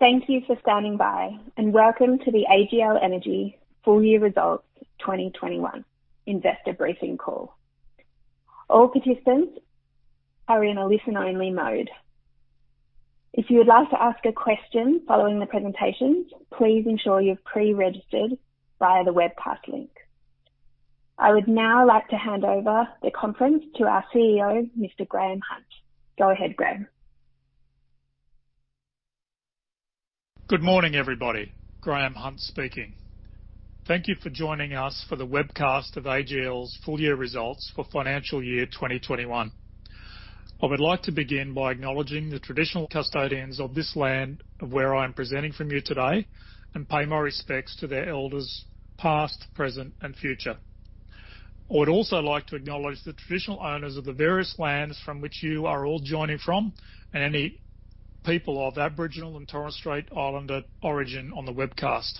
Thank you for standing by, and welcome to the AGL Energy full year results 2021 investor briefing call. All participants are in a listen-only mode. If you would like to ask a question following the presentations, please ensure you've pre-registered via the webcast link. I would now like to hand over the conference to our CEO, Mr Graeme Hunt. Go ahead, Graeme. Good morning, everybody. Graeme Hunt speaking. Thank you for joining us for the webcast of AGL's full year results for financial year 2021. I would like to begin by acknowledging the traditional custodians of this land of where I'm presenting from you today and pay my respects to their elders past, present, and future. I would also like to acknowledge the traditional owners of the various lands from which you are all joining from and any people of Aboriginal and Torres Strait Islander origin on the webcast.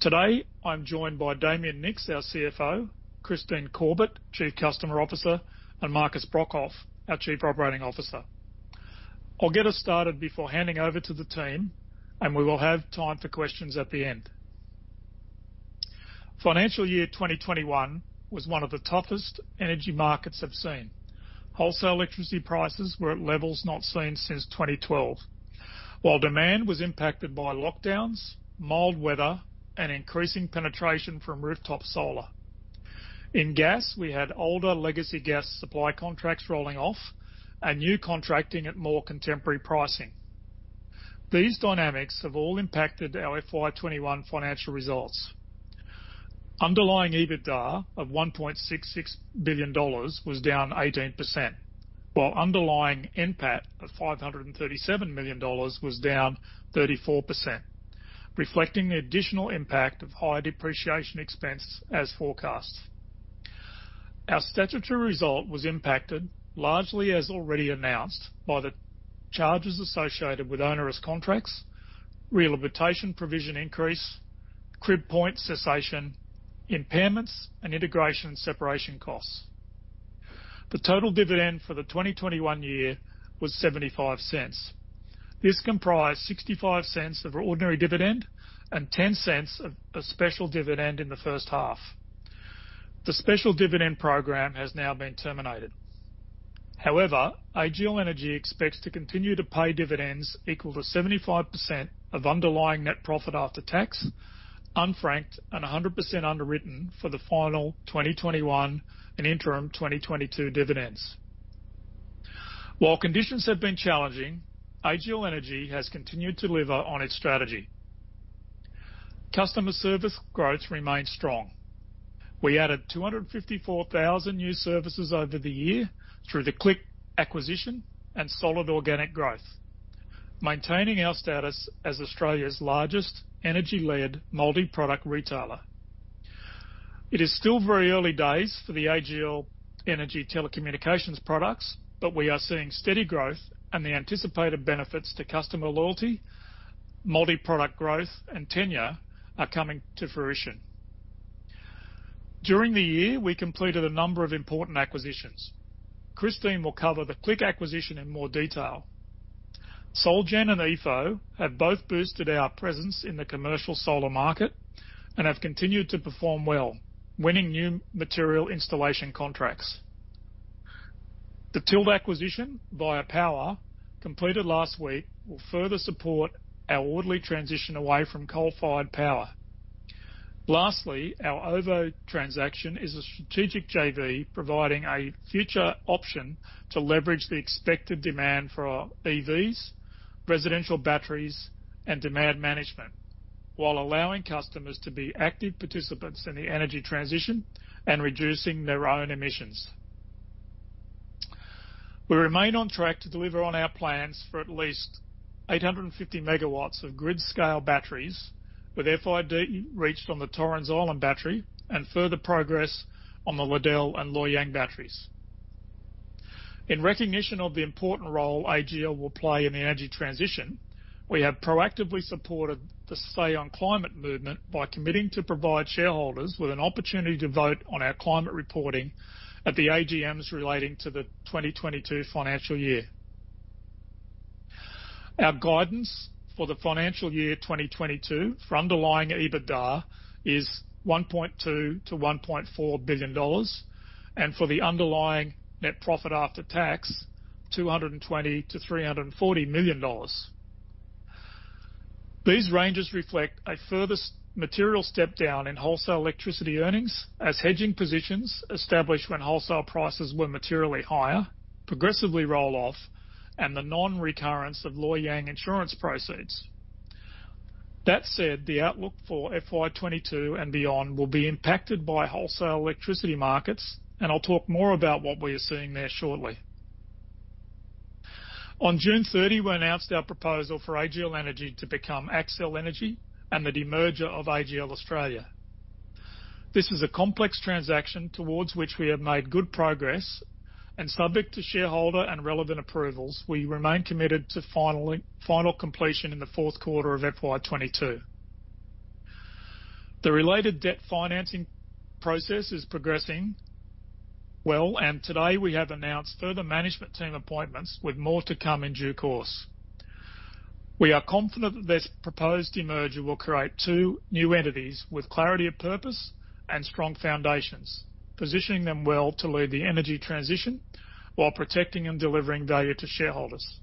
Today, I'm joined by Damien Nicks, our CFO, Christine Corbett, Chief Customer Officer, and Markus Brokhof, our Chief Operating Officer. I'll get us started before handing over to the team, and we will have time for questions at the end. Financial year 2021 was one of the toughest energy markets I've seen. Wholesale electricity prices were at levels not seen since 2012, while demand was impacted by lockdowns, mild weather, and increasing penetration from rooftop solar. In gas, we had older legacy gas supply contracts rolling off and new contracting at more contemporary pricing. These dynamics have all impacted our FY 2021 financial results. Underlying EBITDA of 1.66 billion dollars was down 18%, while underlying NPAT of 537 million dollars was down 34%, reflecting the additional impact of higher depreciation expense as forecast. Our statutory result was impacted largely, as already announced, by the charges associated with onerous contracts, rehabilitation provision increase, Crib Point cessation, impairments, and integration and separation costs. The total dividend for the 2021 year was 0.75. This comprised 0.65 of ordinary dividend and 0.10 of special dividend in the first half. The special dividend program has now been terminated. However, AGL Energy expects to continue to pay dividends equal to 75% of underlying net profit after tax, unfranked and 100% underwritten for the final 2021 and interim 2022 dividends. While conditions have been challenging, AGL Energy has continued to deliver on its strategy. Customer service growth remained strong. We added 254,000 new services over the year through the Click acquisition and solid organic growth, maintaining our status as Australia's largest energy-led multi-product retailer. It is still very early days for the AGL Energy telecommunications products, but we are seeing steady growth and the anticipated benefits to customer loyalty, multi-product growth, and tenure are coming to fruition. During the year, we completed a number of important acquisitions. Christine will cover the Click acquisition in more detail. Solgen and Epho have both boosted our presence in the commercial solar market and have continued to perform well, winning new material installation contracts. The Tilt Renewables acquisition via PowAR, completed last week, will further support our orderly transition away from coal-fired power. Lastly, our OVO transaction is a strategic JV providing a future option to leverage the expected demand for our EVs, residential batteries, and demand management while allowing customers to be active participants in the energy transition and reducing their own emissions. We remain on track to deliver on our plans for at least 850 megawatts of grid-scale batteries, with FID reached on the Torrens Island Battery and further progress on the Liddell and Loy Yang batteries. In recognition of the important role AGL will play in the energy transition, we have proactively supported the Say on Climate movement by committing to provide shareholders with an opportunity to vote on our climate reporting at the AGMs relating to the 2022 financial year. Our guidance for the financial year 2022 for underlying EBITDA is 1.2 billion-1.4 billion dollars, and for the underlying net profit after tax, 220 million-340 million dollars. These ranges reflect a further material step down in wholesale electricity earnings as hedging positions established when wholesale prices were materially higher progressively roll off and the non-recurrence of Loy Yang insurance proceeds. The outlook for FY 2022 and beyond will be impacted by wholesale electricity markets, and I'll talk more about what we are seeing there shortly. On June 30, we announced our proposal for AGL Energy to become Accel Energy and the demerger of AGL Australia. This is a complex transaction towards which we have made good progress, and subject to shareholder and relevant approvals, we remain committed to final completion in the fourth quarter of FY 2022. The related debt financing process is progressing well, and today we have announced further management team appointments with more to come in due course. We are confident that this proposed demerger will create two new entities with clarity of purpose and strong foundations, positioning them well to lead the energy transition while protecting and delivering value to shareholders.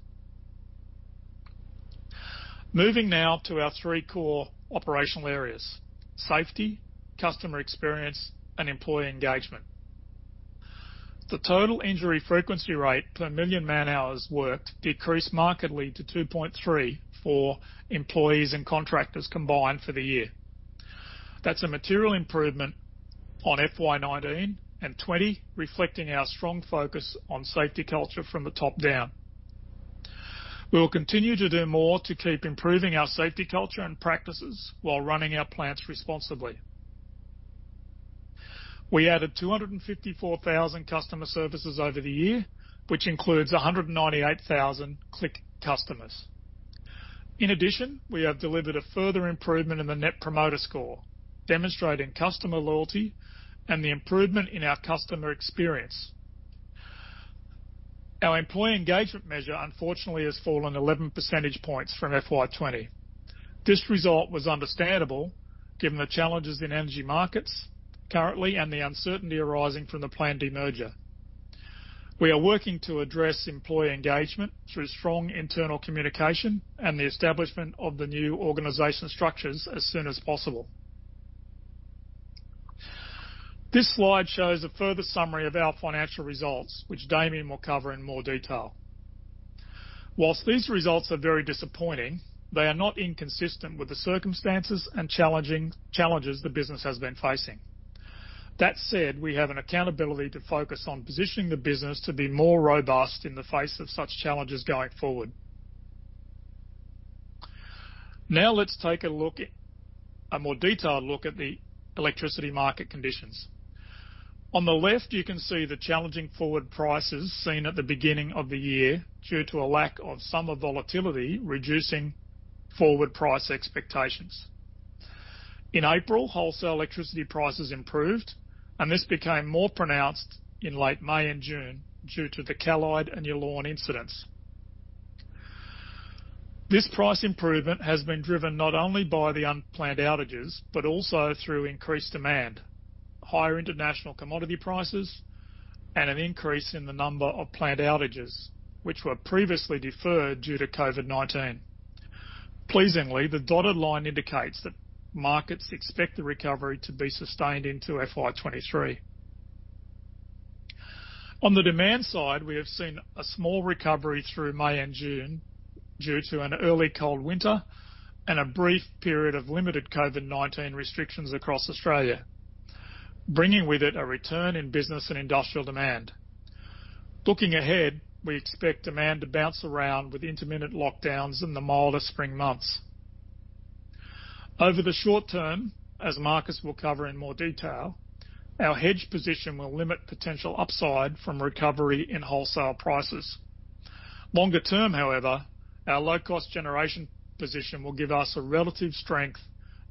Moving now to our three core operational areas: safety, customer experience, and employee engagement. The total injury frequency rate per million man-hours worked decreased markedly to 2.3 for employees and contractors combined for the year. That's a material improvement on FY 2019 and 2020, reflecting our strong focus on safety culture from the top down. We will continue to do more to keep improving our safety culture and practices while running our plants responsibly. We added 254,000 customer services over the year, which includes 198,000 Click customers. In addition, we have delivered a further improvement in the net promoter score, demonstrating customer loyalty and the improvement in our customer experience. Our employee engagement measure, unfortunately, has fallen 11 percentage points from FY 2020. This result was understandable given the challenges in energy markets currently and the uncertainty arising from the planned demerger. We are working to address employee engagement through strong internal communication and the establishment of the new organization structures as soon as possible. This slide shows a further summary of our financial results, which Damien will cover in more detail. Whilst these results are very disappointing, they are not inconsistent with the circumstances and challenges the business has been facing. That said, we have an accountability to focus on positioning the business to be more robust in the face of such challenges going forward. Let's take a more detailed look at the electricity market conditions. On the left, you can see the challenging forward prices seen at the beginning of the year, due to a lack of summer volatility, reducing forward price expectations. In April, wholesale electricity prices improved, and this became more pronounced in late May and June due to the Callide and Yallourn incidents. This price improvement has been driven not only by the unplanned outages, but also through increased demand, higher international commodity prices, and an increase in the number of plant outages, which were previously deferred due to COVID-19. Pleasingly, the dotted line indicates that markets expect the recovery to be sustained into FY 2023. On the demand side, we have seen a small recovery through May and June due to an early cold winter and a brief period of limited COVID-19 restrictions across Australia, bringing with it a return in business and industrial demand. Looking ahead, we expect demand to bounce around with intermittent lockdowns in the milder spring months. Over the short term, as Markus will cover in more detail, our hedge position will limit potential upside from recovery in wholesale prices. Longer term, however, our low-cost generation position will give us a relative strength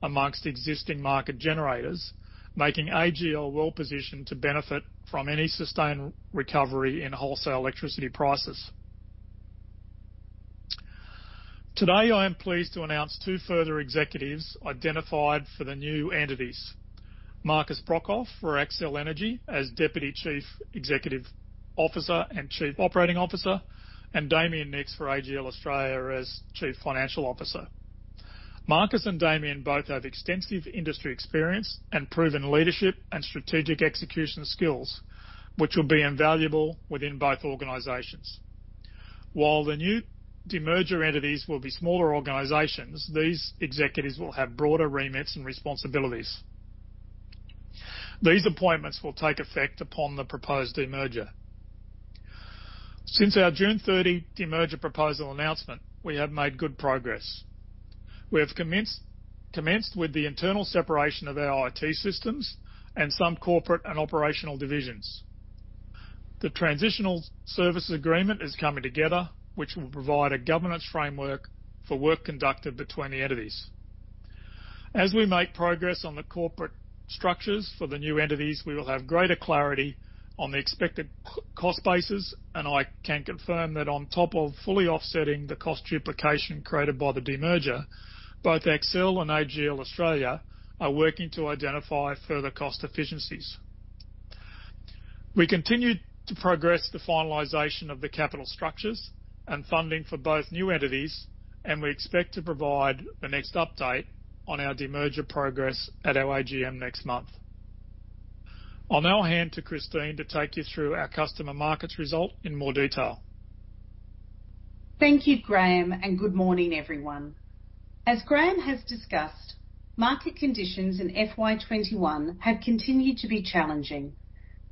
amongst existing market generators, making AGL well-positioned to benefit from any sustained recovery in wholesale electricity prices. Today, I am pleased to announce two further executives identified for the new entities, Markus Brokhof for Accel Energy as Deputy Chief Executive Officer and Chief Operating Officer, and Damien Nicks for AGL Australia as Chief Financial Officer. Markus and Damien both have extensive industry experience and proven leadership and strategic execution skills, which will be invaluable within both organizations. While the new demerger entities will be smaller organizations, these executives will have broader remits and responsibilities. These appointments will take effect upon the proposed demerger. Since our June 30 demerger proposal announcement, we have made good progress. We have commenced with the internal separation of our IT systems and some corporate and operational divisions. The transitional services agreement is coming together, which will provide a governance framework for work conducted between the entities. As we make progress on the corporate structures for the new entities, we will have greater clarity on the expected cost bases. I can confirm that on top of fully offsetting the cost duplication created by the demerger, both Accel and AGL Australia are working to identify further cost efficiencies. We continue to progress the finalization of the capital structures and funding for both new entities. We expect to provide the next update on our demerger progress at our AGM next month. I'll now hand to Christine to take you through our customer markets result in more detail. Thank you, Graeme. Good morning, everyone. As Graeme has discussed, market conditions in FY 2021 have continued to be challenging.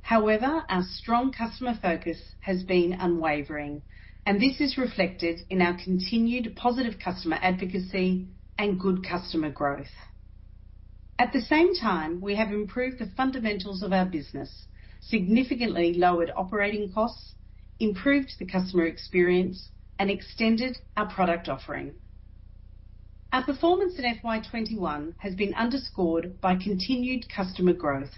However, our strong customer focus has been unwavering, and this is reflected in our continued positive customer advocacy and good customer growth. At the same time, we have improved the fundamentals of our business, significantly lowered operating costs, improved the customer experience and extended our product offering. Our performance in FY 2021 has been underscored by continued customer growth,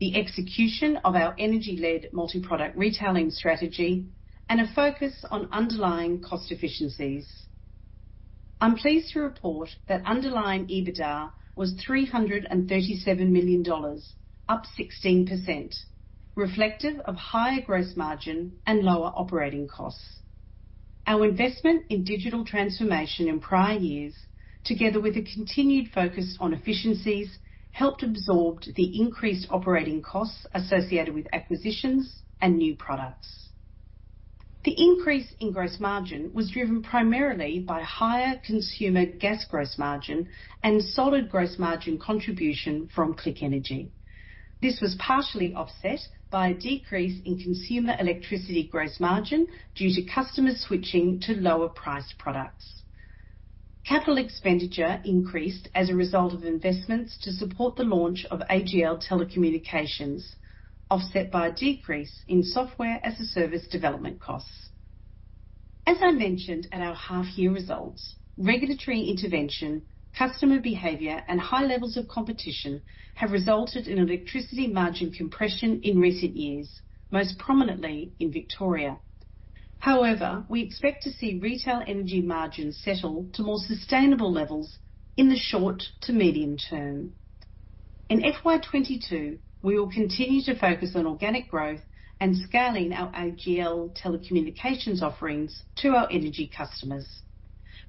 the execution of our energy-led multi-product retailing strategy, and a focus on underlying cost efficiencies. I'm pleased to report that underlying EBITDA was 337 million dollars, up 16%, reflective of higher gross margin and lower operating costs. Our investment in digital transformation in prior years, together with a continued focus on efficiencies, helped absorb the increased operating costs associated with acquisitions and new products. The increase in gross margin was driven primarily by higher consumer gas gross margin and solid gross margin contribution from Click Energy. This was partially offset by a decrease in consumer electricity gross margin due to customers switching to lower priced products. Capital expenditure increased as a result of investments to support the launch of AGL Telecommunications, offset by a decrease in software as a service development costs. As I mentioned at our half year results, regulatory intervention, customer behavior and high levels of competition have resulted in electricity margin compression in recent years, most prominently in Victoria. However, we expect to see retail energy margins settle to more sustainable levels in the short to medium term. In FY 2022, we will continue to focus on organic growth and scaling our AGL Telecommunications offerings to our energy customers.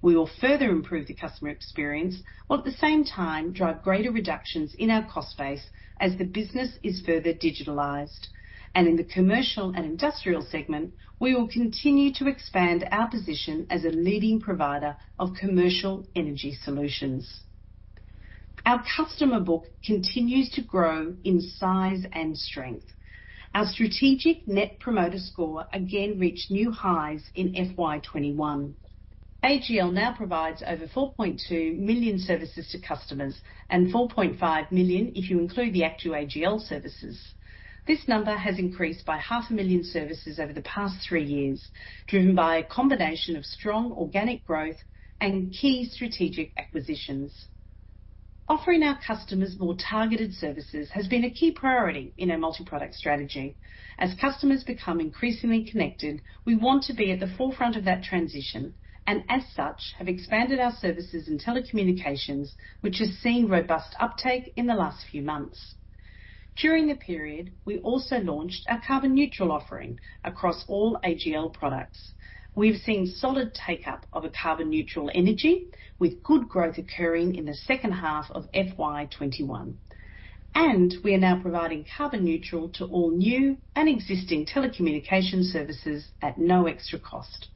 We will further improve the customer experience while at the same time drive greater reductions in our cost base as the business is further digitalized. In the commercial and industrial segment, we will continue to expand our position as a leading provider of commercial energy solutions. Our customer book continues to grow in size and strength. Our strategic net promoter score again reached new highs in FY 2021. AGL now provides over 4.2 million services to customers and 4.5 million if you include the ActewAGL services. This number has increased by 0.5 million services over the past three years, driven by a combination of strong organic growth and key strategic acquisitions. Offering our customers more targeted services has been a key priority in our multi-product strategy. As customers become increasingly connected, we want to be at the forefront of that transition and as such, have expanded our services in telecommunications, which has seen robust uptake in the last three months. During the period, we also launched our carbon neutral offering across all AGL products. We've seen solid take-up of a carbon neutral energy with good growth occurring in the second half of FY 2021, and we are now providing carbon neutral to all new and existing telecommunication services at no extra cost.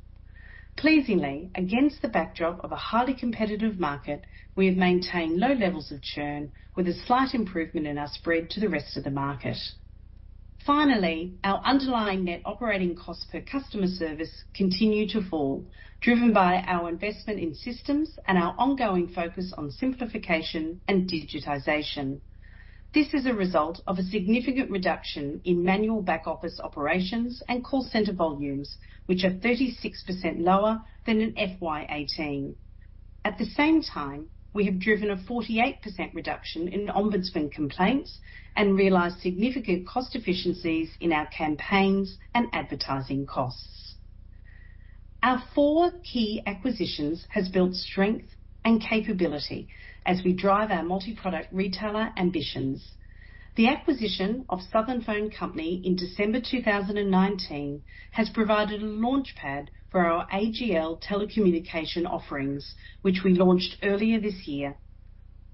Pleasingly, against the backdrop of a highly competitive market, we have maintained low levels of churn with a slight improvement in our spread to the rest of the market. Our underlying net operating cost per customer service continue to fall, driven by our investment in systems and our ongoing focus on simplification and digitization. This is a result of a significant reduction in manual back office operations and call center volumes, which are 36% lower than in FY 2018. At the same time, we have driven a 48% reduction in ombudsman complaints and realized significant cost efficiencies in our campaigns and advertising costs. Our four key acquisitions has built strength and capability as we drive our multi-product retailer ambitions. The acquisition of Southern Phone Company in December 2019 has provided a launchpad for our AGL Telecommunications offerings, which we launched earlier this year.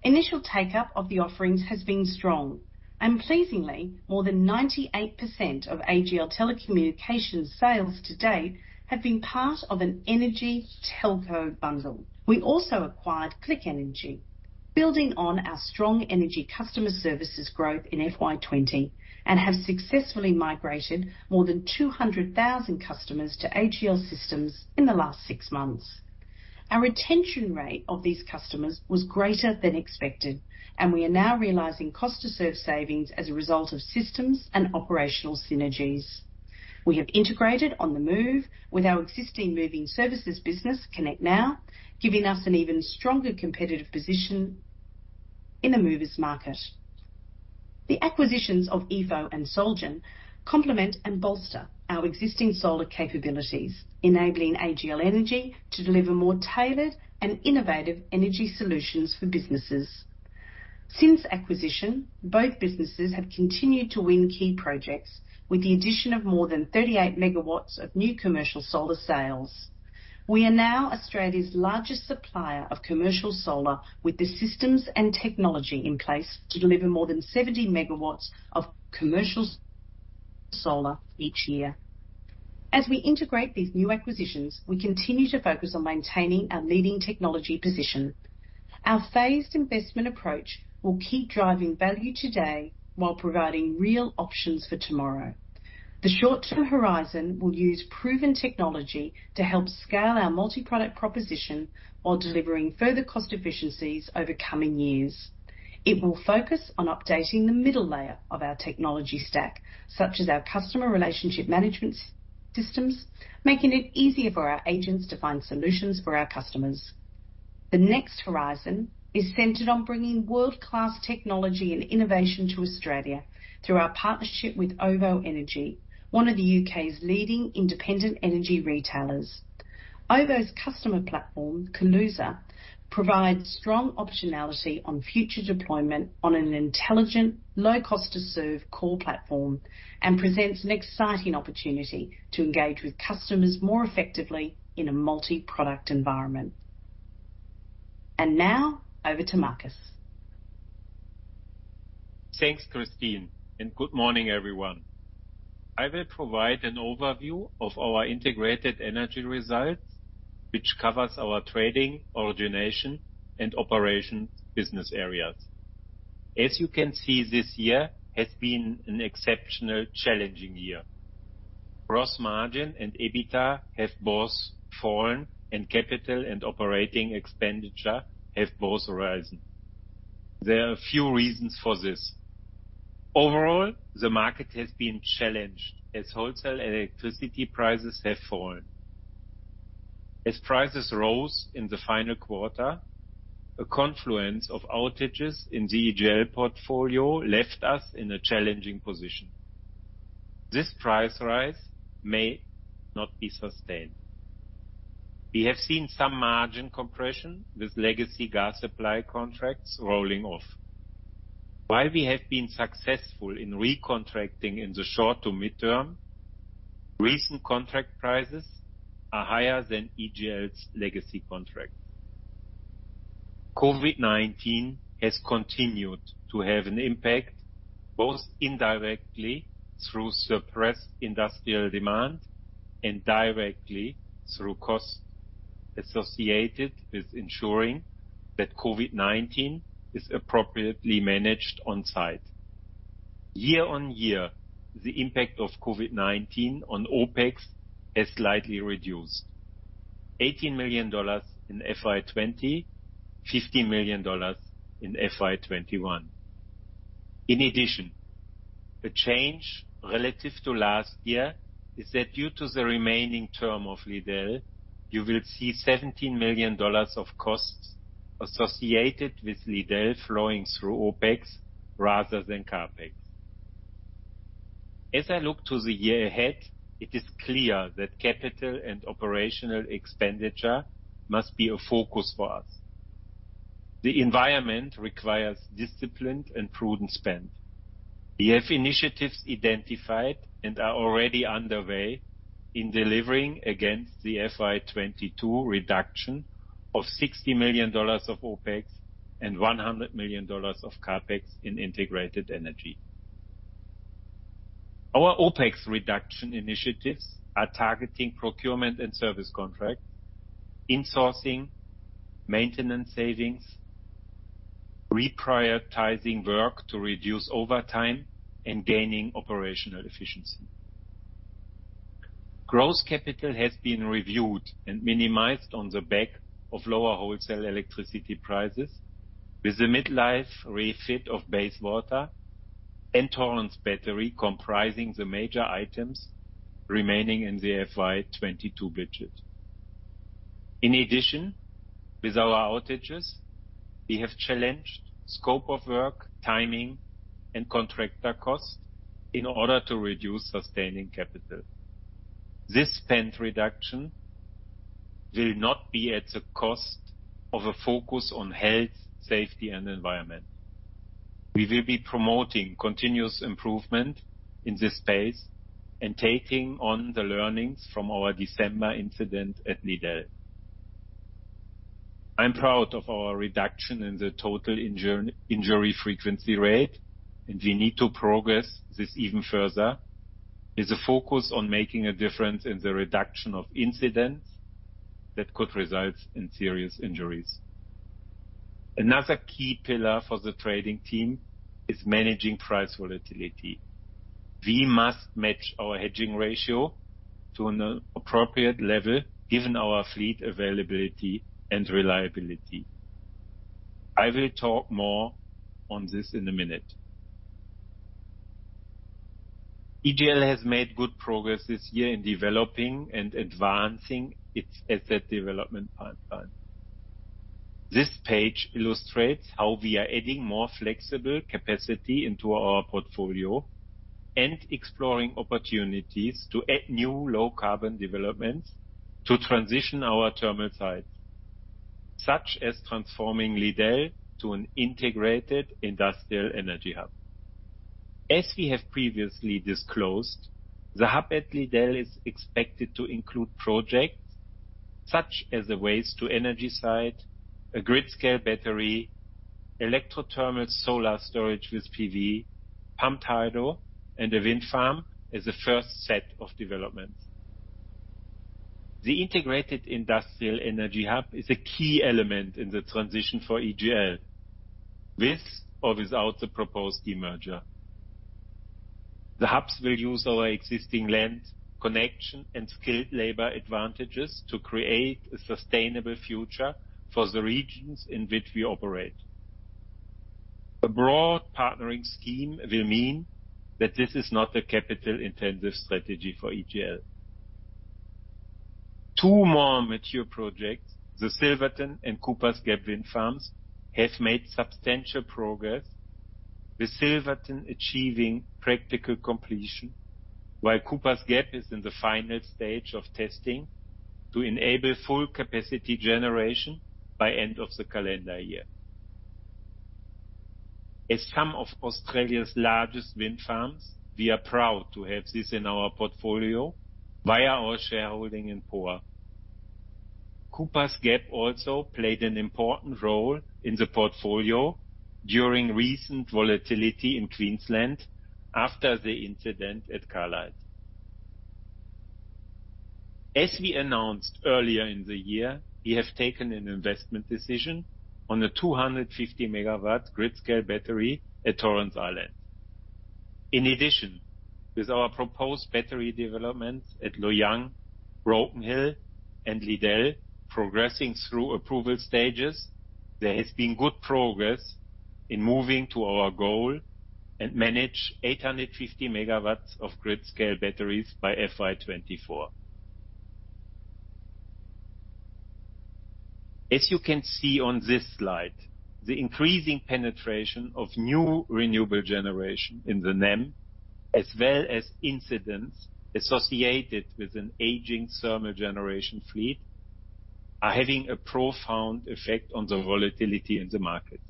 Initial take-up of the offerings has been strong and pleasingly, more than 98% of AGL Telecommunications sales to date have been part of an energy-telco bundle. We also acquired Click Energy, building on our strong energy customer services growth in FY 2020, and have successfully migrated more than 200,000 customers to AGL systems in the last six months. Our retention rate of these customers was greater than expected, and we are now realizing cost to serve savings as a result of systems and operational synergies. We have integrated On The Move with our existing moving services business, connectnow, giving us an even stronger competitive position in the movers market. The acquisitions of Epho and Solgen complement and bolster our existing solar capabilities, enabling AGL Energy to deliver more tailored and innovative energy solutions for businesses. Since acquisition, both businesses have continued to win key projects with the addition of more than 38 MW of new commercial solar sales. We are now Australia's largest supplier of commercial solar with the systems and technology in place to deliver more than 70 MW of commercial solar each year. As we integrate these new acquisitions, we continue to focus on maintaining our leading technology position. Our phased investment approach will keep driving value today while providing real options for tomorrow. The short-term horizon will use proven technology to help scale our multi-product proposition while delivering further cost efficiencies over coming years. It will focus on updating the middle layer of our technology stack, such as our customer relationship management systems, making it easier for our agents to find solutions for our customers. The next horizon is centered on bringing world-class technology and innovation to Australia through our partnership with OVO Energy, one of the U.K.'s leading independent energy retailers. OVO's customer platform, Kaluza, provides strong optionality on future deployment on an intelligent, low cost to serve core platform and presents an exciting opportunity to engage with customers more effectively in a multi-product environment. Now, over to Markus. Thanks, Christine. Good morning, everyone. I will provide an overview of our integrated energy results, which covers our trading, origination, and operations business areas. As you can see, this year has been an exceptional, challenging year. Gross margin and EBITDA have both fallen, and capital and operating expenditure have both risen. There are a few reasons for this. Overall, the market has been challenged as wholesale electricity prices have fallen. As prices rose in the final quarter, a confluence of outages in the AGL portfolio left us in a challenging position. This price rise may not be sustained. We have seen some margin compression with legacy gas supply contracts rolling off. While we have been successful in recontracting in the short to midterm, recent contract prices are higher than AGL's legacy contract. COVID-19 has continued to have an impact, both indirectly through suppressed industrial demand and directly through costs associated with ensuring that COVID-19 is appropriately managed on-site. Year-over-year, the impact of COVID-19 on OPEX has slightly reduced. AUD 18 million in FY 2020, AUD 15 million in FY 2021. A change relative to last year is that due to the remaining term of Liddell, you will see 17 million dollars of costs associated with Liddell flowing through OPEX rather than CapEx. As I look to the year ahead, it is clear that capital and operational expenditure must be a focus for us. The environment requires disciplined and prudent spend. We have initiatives identified and are already underway in delivering against the FY 2022 reduction of 60 million dollars of OPEX and 100 million dollars of CapEx in integrated energy. Our OPEX reduction initiatives are targeting procurement and service contracts, insourcing, maintenance savings, reprioritizing work to reduce overtime, and gaining operational efficiency. Gross capital has been reviewed and minimized on the back of lower wholesale electricity prices with the mid-life refit of Bayswater and Torrens Island Battery comprising the major items remaining in the FY 2022 budget. In addition, with our outages, we have challenged scope of work, timing, and contractor cost in order to reduce sustaining capital. This spend reduction will not be at the cost of a focus on health, safety, and environment. We will be promoting continuous improvement in this space and taking on the learnings from our December incident at Liddell. I'm proud of our reduction in the total injury frequency rate, and we need to progress this even further, with a focus on making a difference in the reduction of incidents that could result in serious injuries. Another key pillar for the trading team is managing price volatility. We must match our hedging ratio to an appropriate level given our fleet availability and reliability. I will talk more on this in a minute. AGL has made good progress this year in developing and advancing its asset development pipeline. This page illustrates how we are adding more flexible capacity into our portfolio and exploring opportunities to add new low-carbon developments to transition our terminal sites, such as transforming Liddell to an integrated industrial energy hub. As we have previously disclosed, the hub at Liddell is expected to include projects such as a waste-to-energy site, a grid-scale battery, electro-thermal energy storage with PV, pumped hydro, and a wind farm as a first set of developments. The integrated industrial energy hub is a key element in the transition for AGL, with or without the proposed demerger. The hubs will use our existing land connection and skilled labor advantages to create a sustainable future for the regions in which we operate. A broad partnering scheme will mean that this is not a capital-intensive strategy for AGL. Two more mature projects, the Silverton and Coopers Gap wind farms, have made substantial progress, with Silverton achieving practical completion, while Coopers Gap is in the final stage of testing to enable full capacity generation by end of the calendar year. As some of Australia's largest wind farms, we are proud to have this in our portfolio via our shareholding in PowAR. Coopers Gap also played an important role in the portfolio during recent volatility in Queensland after the incident at Callide. As we announced earlier in the year, we have taken an investment decision on the 250 megawatts grid-scale battery at Torrens Island. In addition, with our proposed battery developments at Loy Yang, Broken Hill, and Liddell progressing through approval stages, there has been good progress in moving to our goal and manage 850 MW of grid-scale batteries by FY 2024. As you can see on this slide, the increasing penetration of new renewable generation in the NEM, as well as incidents associated with an aging thermal generation fleet, are having a profound effect on the volatility in the market.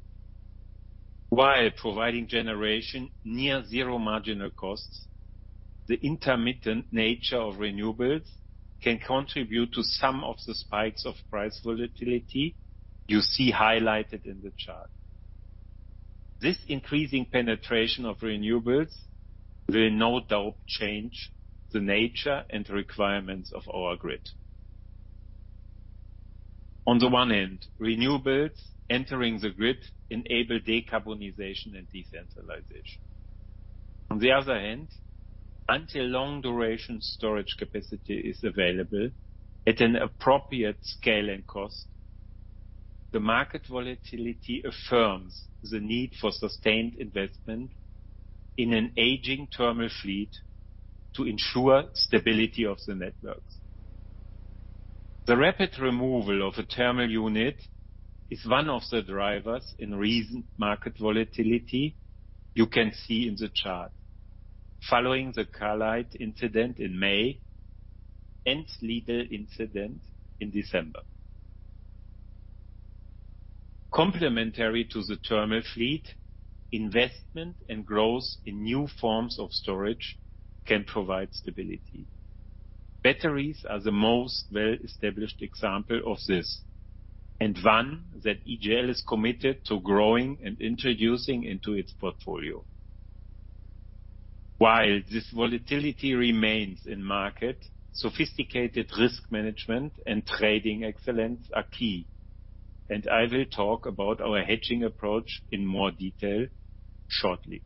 While providing generation near zero marginal costs, the intermittent nature of renewables can contribute to some of the spikes of price volatility you see highlighted in the chart. This increasing penetration of renewables will no doubt change the nature and requirements of our grid. On the one end, renewables entering the grid enable decarbonization and decentralization. On the other hand, until long-duration storage capacity is available at an appropriate scale and cost, the market volatility affirms the need for sustained investment in an aging thermal fleet to ensure stability of the networks. The rapid removal of a thermal unit is one of the drivers in recent market volatility you can see in the chart following the Callide incident in May and Liddell incident in December. Complementary to the thermal fleet, investment and growth in new forms of storage can provide stability. Batteries are the most well-established example of this, and one that AGL is committed to growing and introducing into its portfolio. While this volatility remains in market, sophisticated risk management and trading excellence are key, and I will talk about our hedging approach in more detail shortly.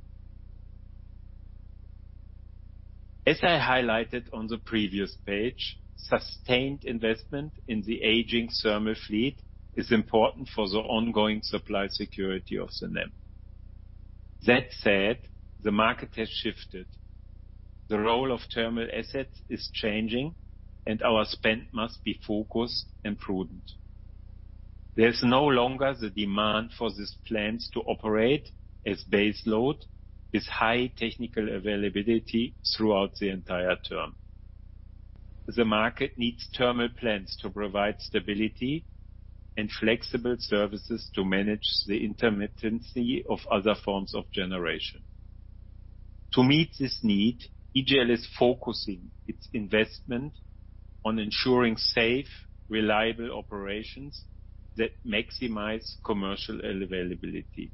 As I highlighted on the previous page, sustained investment in the aging thermal fleet is important for the ongoing supply security of the NEM. That said, the market has shifted. The role of thermal assets is changing, and our spend must be focused and prudent. There's no longer the demand for these plants to operate as base load with high technical availability throughout the entire term. The market needs thermal plants to provide stability and flexible services to manage the intermittency of other forms of generation. To meet this need, AGL is focusing its investment on ensuring safe, reliable operations that maximize commercial availability.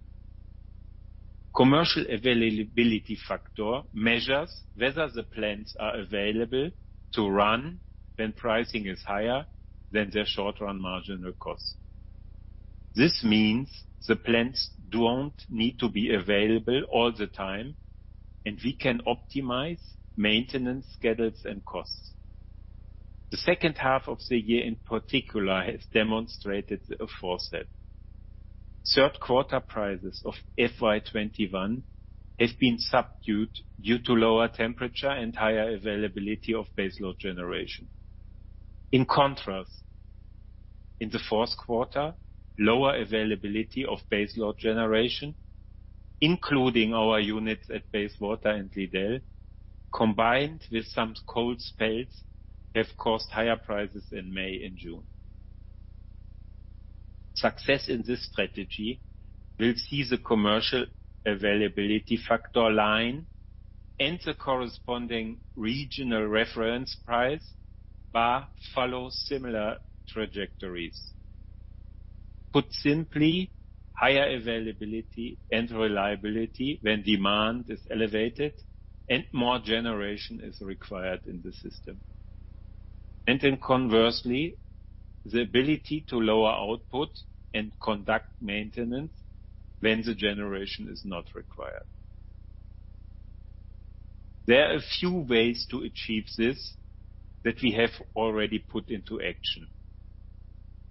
Commercial availability factor measures whether the plants are available to run when pricing is higher than their short-run marginal cost. This means the plants don't need to be available all the time, and we can optimize maintenance schedules and costs. The second half of the year, in particular, has demonstrated the aforesaid. Third quarter prices of FY 2021 have been subdued due to lower temperature and higher availability of base load generation. In contrast, in the fourth quarter, lower availability of base load generation, including our units at Bayswater and Liddell, combined with some cold spells, have caused higher prices in May and June. Success in this strategy will see the commercial availability factor line and the corresponding regional reference price bar follow similar trajectories. Put simply, higher availability and reliability when demand is elevated and more generation is required in the system. Conversely, the ability to lower output and conduct maintenance when the generation is not required. There are a few ways to achieve this that we have already put into action.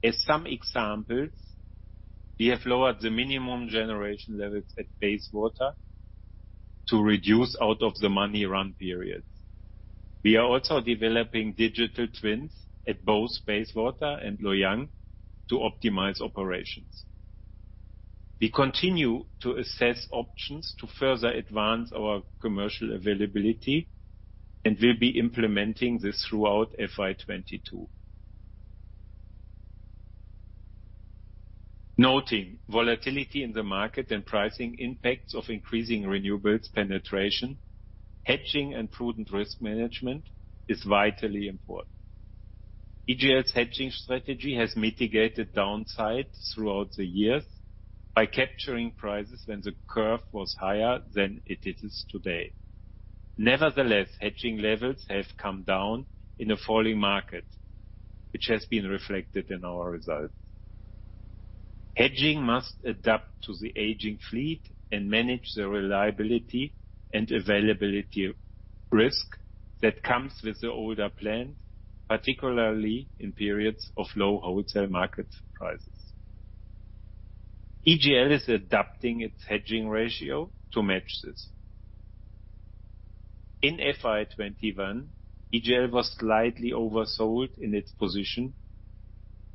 As some examples, we have lowered the minimum generation levels at Bayswater to reduce out of the money run periods. We are also developing digital twins at both Bayswater and Loy Yang to optimize operations. We continue to assess options to further advance our commercial availability, and we'll be implementing this throughout FY 2022. Noting volatility in the market and pricing impacts of increasing renewables penetration, hedging and prudent risk management is vitally important. AGL's hedging strategy has mitigated downside throughout the years by capturing prices when the curve was higher than it is today. Nevertheless, hedging levels have come down in a falling market, which has been reflected in our results. Hedging must adapt to the aging fleet and manage the reliability and availability risk that comes with the older plants, particularly in periods of low wholesale market prices. AGL is adapting its hedging ratio to match this. In FY 2021, AGL was slightly oversold in its position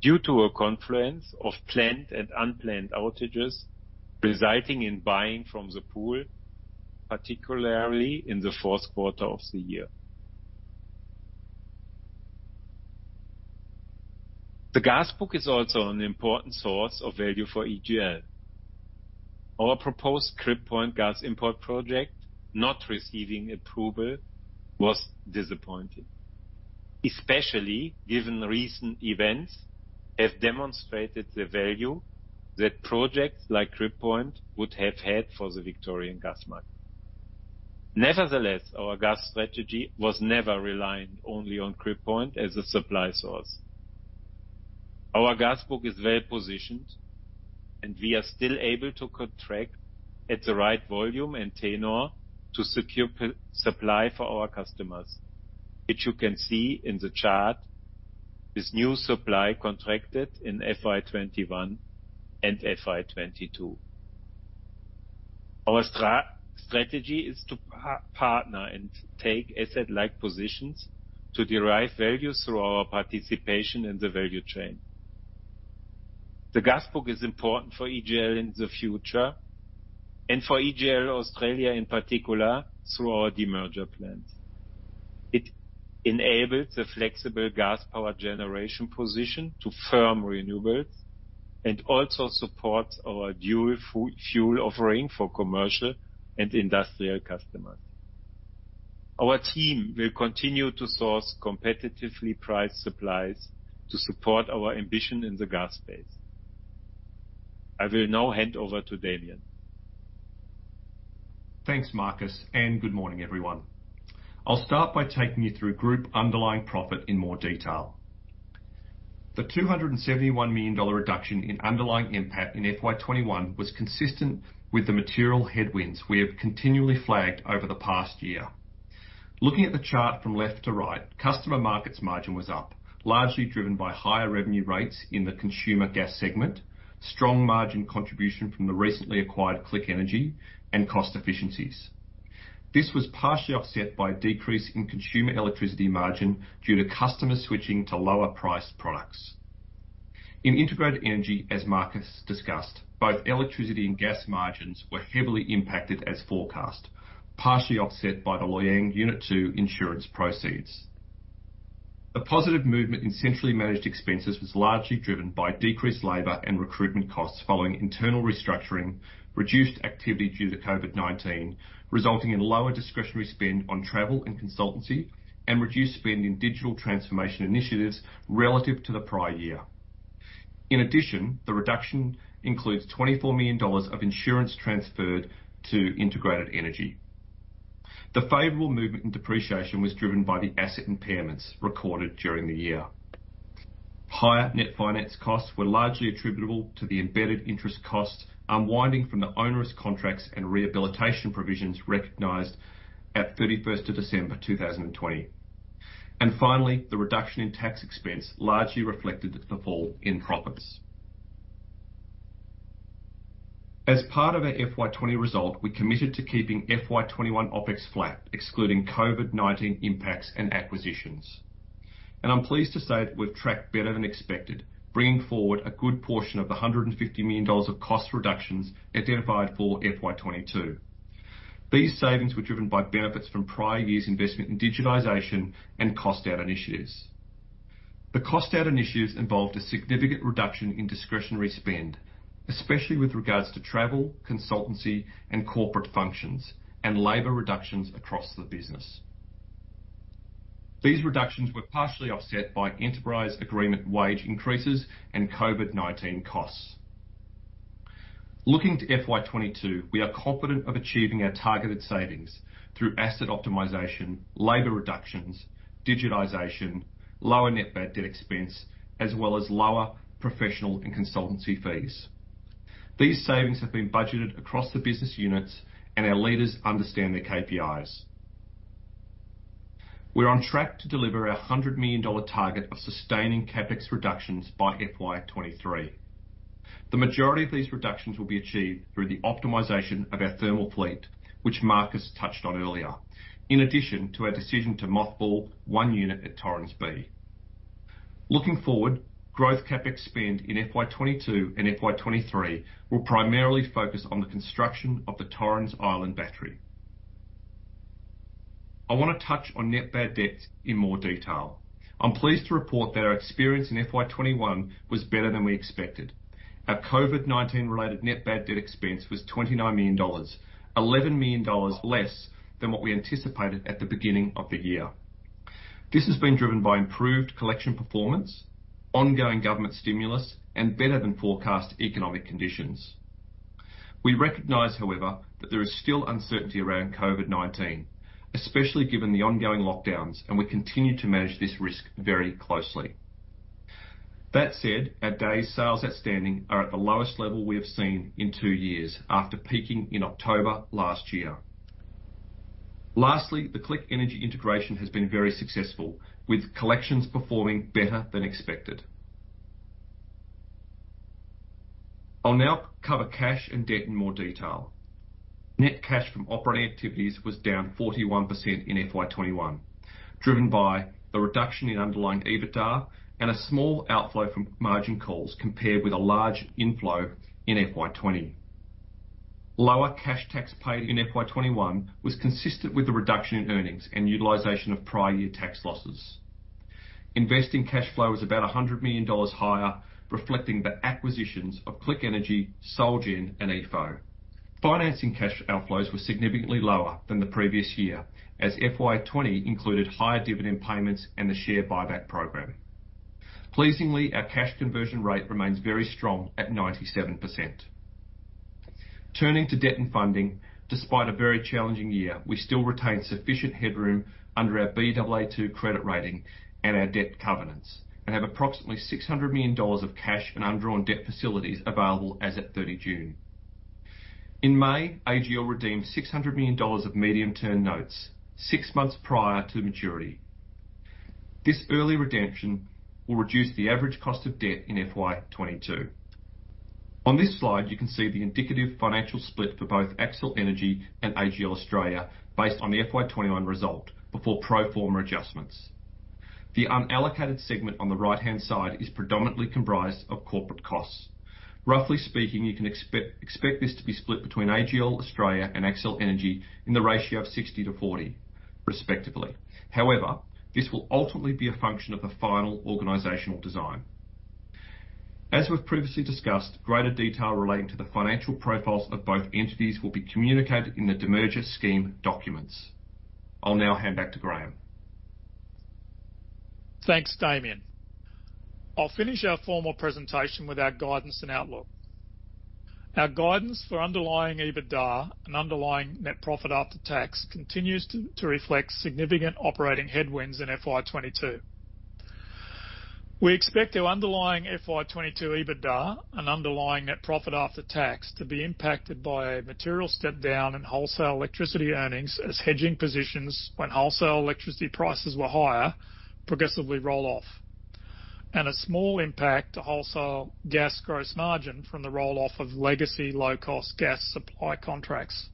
due to a confluence of planned and unplanned outages, resulting in buying from the pool, particularly in the fourth quarter of the year. The gas book is also an important source of value for AGL. Our proposed Crib Point gas import project not receiving approval was disappointing, especially given recent events have demonstrated the value that projects like Crib Point would have had for the Victorian gas market. Nevertheless, our gas strategy was never reliant only on Crib Point as a supply source. Our gas book is well-positioned and we are still able to contract at the right volume and tenure to secure supply for our customers, which you can see in the chart is new supply contracted in FY 2021 and FY 2022. Our strategy is to partner and take asset-like positions to derive value through our participation in the value chain. The gas book is important for AGL in the future, and for AGL Australia in particular through our demerger plans. It enables a flexible gas power generation position to firm renewables, and also supports our dual fuel offering for commercial and industrial customers. Our team will continue to source competitively priced supplies to support our ambition in the gas space. I will now hand over to Damien. Thanks, Markus. Good morning, everyone. I'll start by taking you through group underlying profit in more detail. The 271 million dollar reduction in underlying NPAT in FY 2021 was consistent with the material headwinds we have continually flagged over the past year. Looking at the chart from left to right, customer markets margin was up, largely driven by higher revenue rates in the consumer gas segment, strong margin contribution from the recently acquired Click Energy, and cost efficiencies. This was partially offset by a decrease in consumer electricity margin due to customer switching to lower priced products. In integrated energy, as Markus discussed, both electricity and gas margins were heavily impacted as forecast, partially offset by the Loy Yang A Unit 2 insurance proceeds. A positive movement in centrally managed expenses was largely driven by decreased labor and recruitment costs following internal restructuring, reduced activity due to COVID-19, resulting in lower discretionary spend on travel and consultancy, and reduced spend in digital transformation initiatives relative to the prior year. In addition, the reduction includes 24 million dollars of insurance transferred to integrated energy. The favorable movement in depreciation was driven by the asset impairments recorded during the year. Higher net finance costs were largely attributable to the embedded interest costs unwinding from the onerous contracts and rehabilitation provisions recognized at 31st of December 2020. Finally, the reduction in tax expense largely reflected the fall in profits. As part of our FY 2020 result, we committed to keeping FY 2021 OPEX flat, excluding COVID-19 impacts and acquisitions. I'm pleased to say that we've tracked better than expected, bringing forward a good portion of the 150 million dollars of cost reductions identified for FY 2022. These savings were driven by benefits from prior years' investment in digitization and cost-out initiatives. The cost-out initiatives involved a significant reduction in discretionary spend, especially with regards to travel, consultancy, and corporate functions, and labor reductions across the business. These reductions were partially offset by enterprise agreement wage increases and COVID-19 costs. Looking to FY 2022, we are confident of achieving our targeted savings through asset optimization, labor reductions, digitization, lower net bad debt expense, as well as lower professional and consultancy fees. These savings have been budgeted across the business units, and our leaders understand their KPIs. We're on track to deliver our 100 million dollar target of sustaining CapEx reductions by FY 2023. The majority of these reductions will be achieved through the optimization of our thermal fleet, which Markus touched on earlier, in addition to our decision to mothball one unit at Torrens B. Looking forward, growth CapEx spend in FY 2022 and FY 2023 will primarily focus on the construction of the Torrens Island Battery. I want to touch on net bad debt in more detail. I am pleased to report that our experience in FY 2021 was better than we expected. Our COVID-19 related net bad debt expense was 29 million dollars, 11 million dollars less than what we anticipated at the beginning of the year. This has been driven by improved collection performance, ongoing government stimulus, and better than forecast economic conditions. We recognize, however, that there is still uncertainty around COVID-19, especially given the ongoing lockdowns, and we continue to manage this risk very closely. That said, our days sales outstanding are at the lowest level we have seen in two years after peaking in October last year. Lastly, the Click Energy integration has been very successful, with collections performing better than expected. I'll now cover cash and debt in more detail. Net cash from operating activities was down 41% in FY 2021, driven by the reduction in underlying EBITDA and a small outflow from margin calls compared with a large inflow in FY 2020. Lower cash tax paid in FY 2021 was consistent with the reduction in earnings and utilization of prior year tax losses. Investing cash flow was about 100 million dollars higher, reflecting the acquisitions of Click Energy, Solgen, and Epho. Financing cash outflows were significantly lower than the previous year, as FY 2020 included higher dividend payments and the share buyback program. Pleasingly, our cash conversion rate remains very strong at 97%. Turning to debt and funding, despite a very challenging year, we still retain sufficient headroom under our Baa2 credit rating and our debt covenants and have approximately 600 million dollars of cash and undrawn debt facilities available as at 30 June. In May, AGL redeemed 600 million dollars of medium-term notes six months prior to maturity. This early redemption will reduce the average cost of debt in FY 2022. On this slide, you can see the indicative financial split for both Accel Energy and AGL Australia based on the FY 2021 result before pro forma adjustments. The unallocated segment on the right-hand side is predominantly comprised of corporate costs. Roughly speaking, you can expect this to be split between AGL Australia and Accel Energy in the ratio of 60:40 respectively. This will ultimately be a function of the final organizational design. As we've previously discussed, greater detail relating to the financial profiles of both entities will be communicated in the demerger scheme documents. I'll now hand back to Graeme Hunt. Thanks, Damien. I'll finish our formal presentation with our guidance and outlook. Our guidance for underlying EBITDA and underlying net profit after tax continues to reflect significant operating headwinds in FY 2022. We expect our underlying FY 2022 EBITDA and underlying net profit after tax to be impacted by a material step-down in wholesale electricity earnings as hedging positions when wholesale electricity prices were higher progressively roll off, and a small impact to wholesale gas gross margin from the roll-off of legacy low-cost gas supply contracts.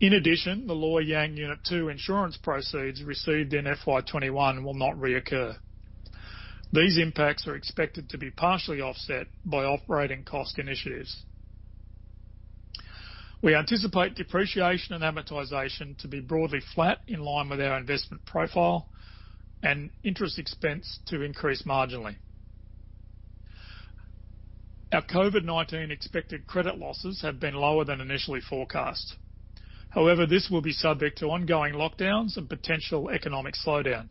In addition, the Loy Yang A Unit 2 insurance proceeds received in FY 2021 will not reoccur. These impacts are expected to be partially offset by operating cost initiatives. We anticipate depreciation and amortization to be broadly flat in line with our investment profile and interest expense to increase marginally. Our COVID-19 expected credit losses have been lower than initially forecast. However, this will be subject to ongoing lockdowns and potential economic slowdown.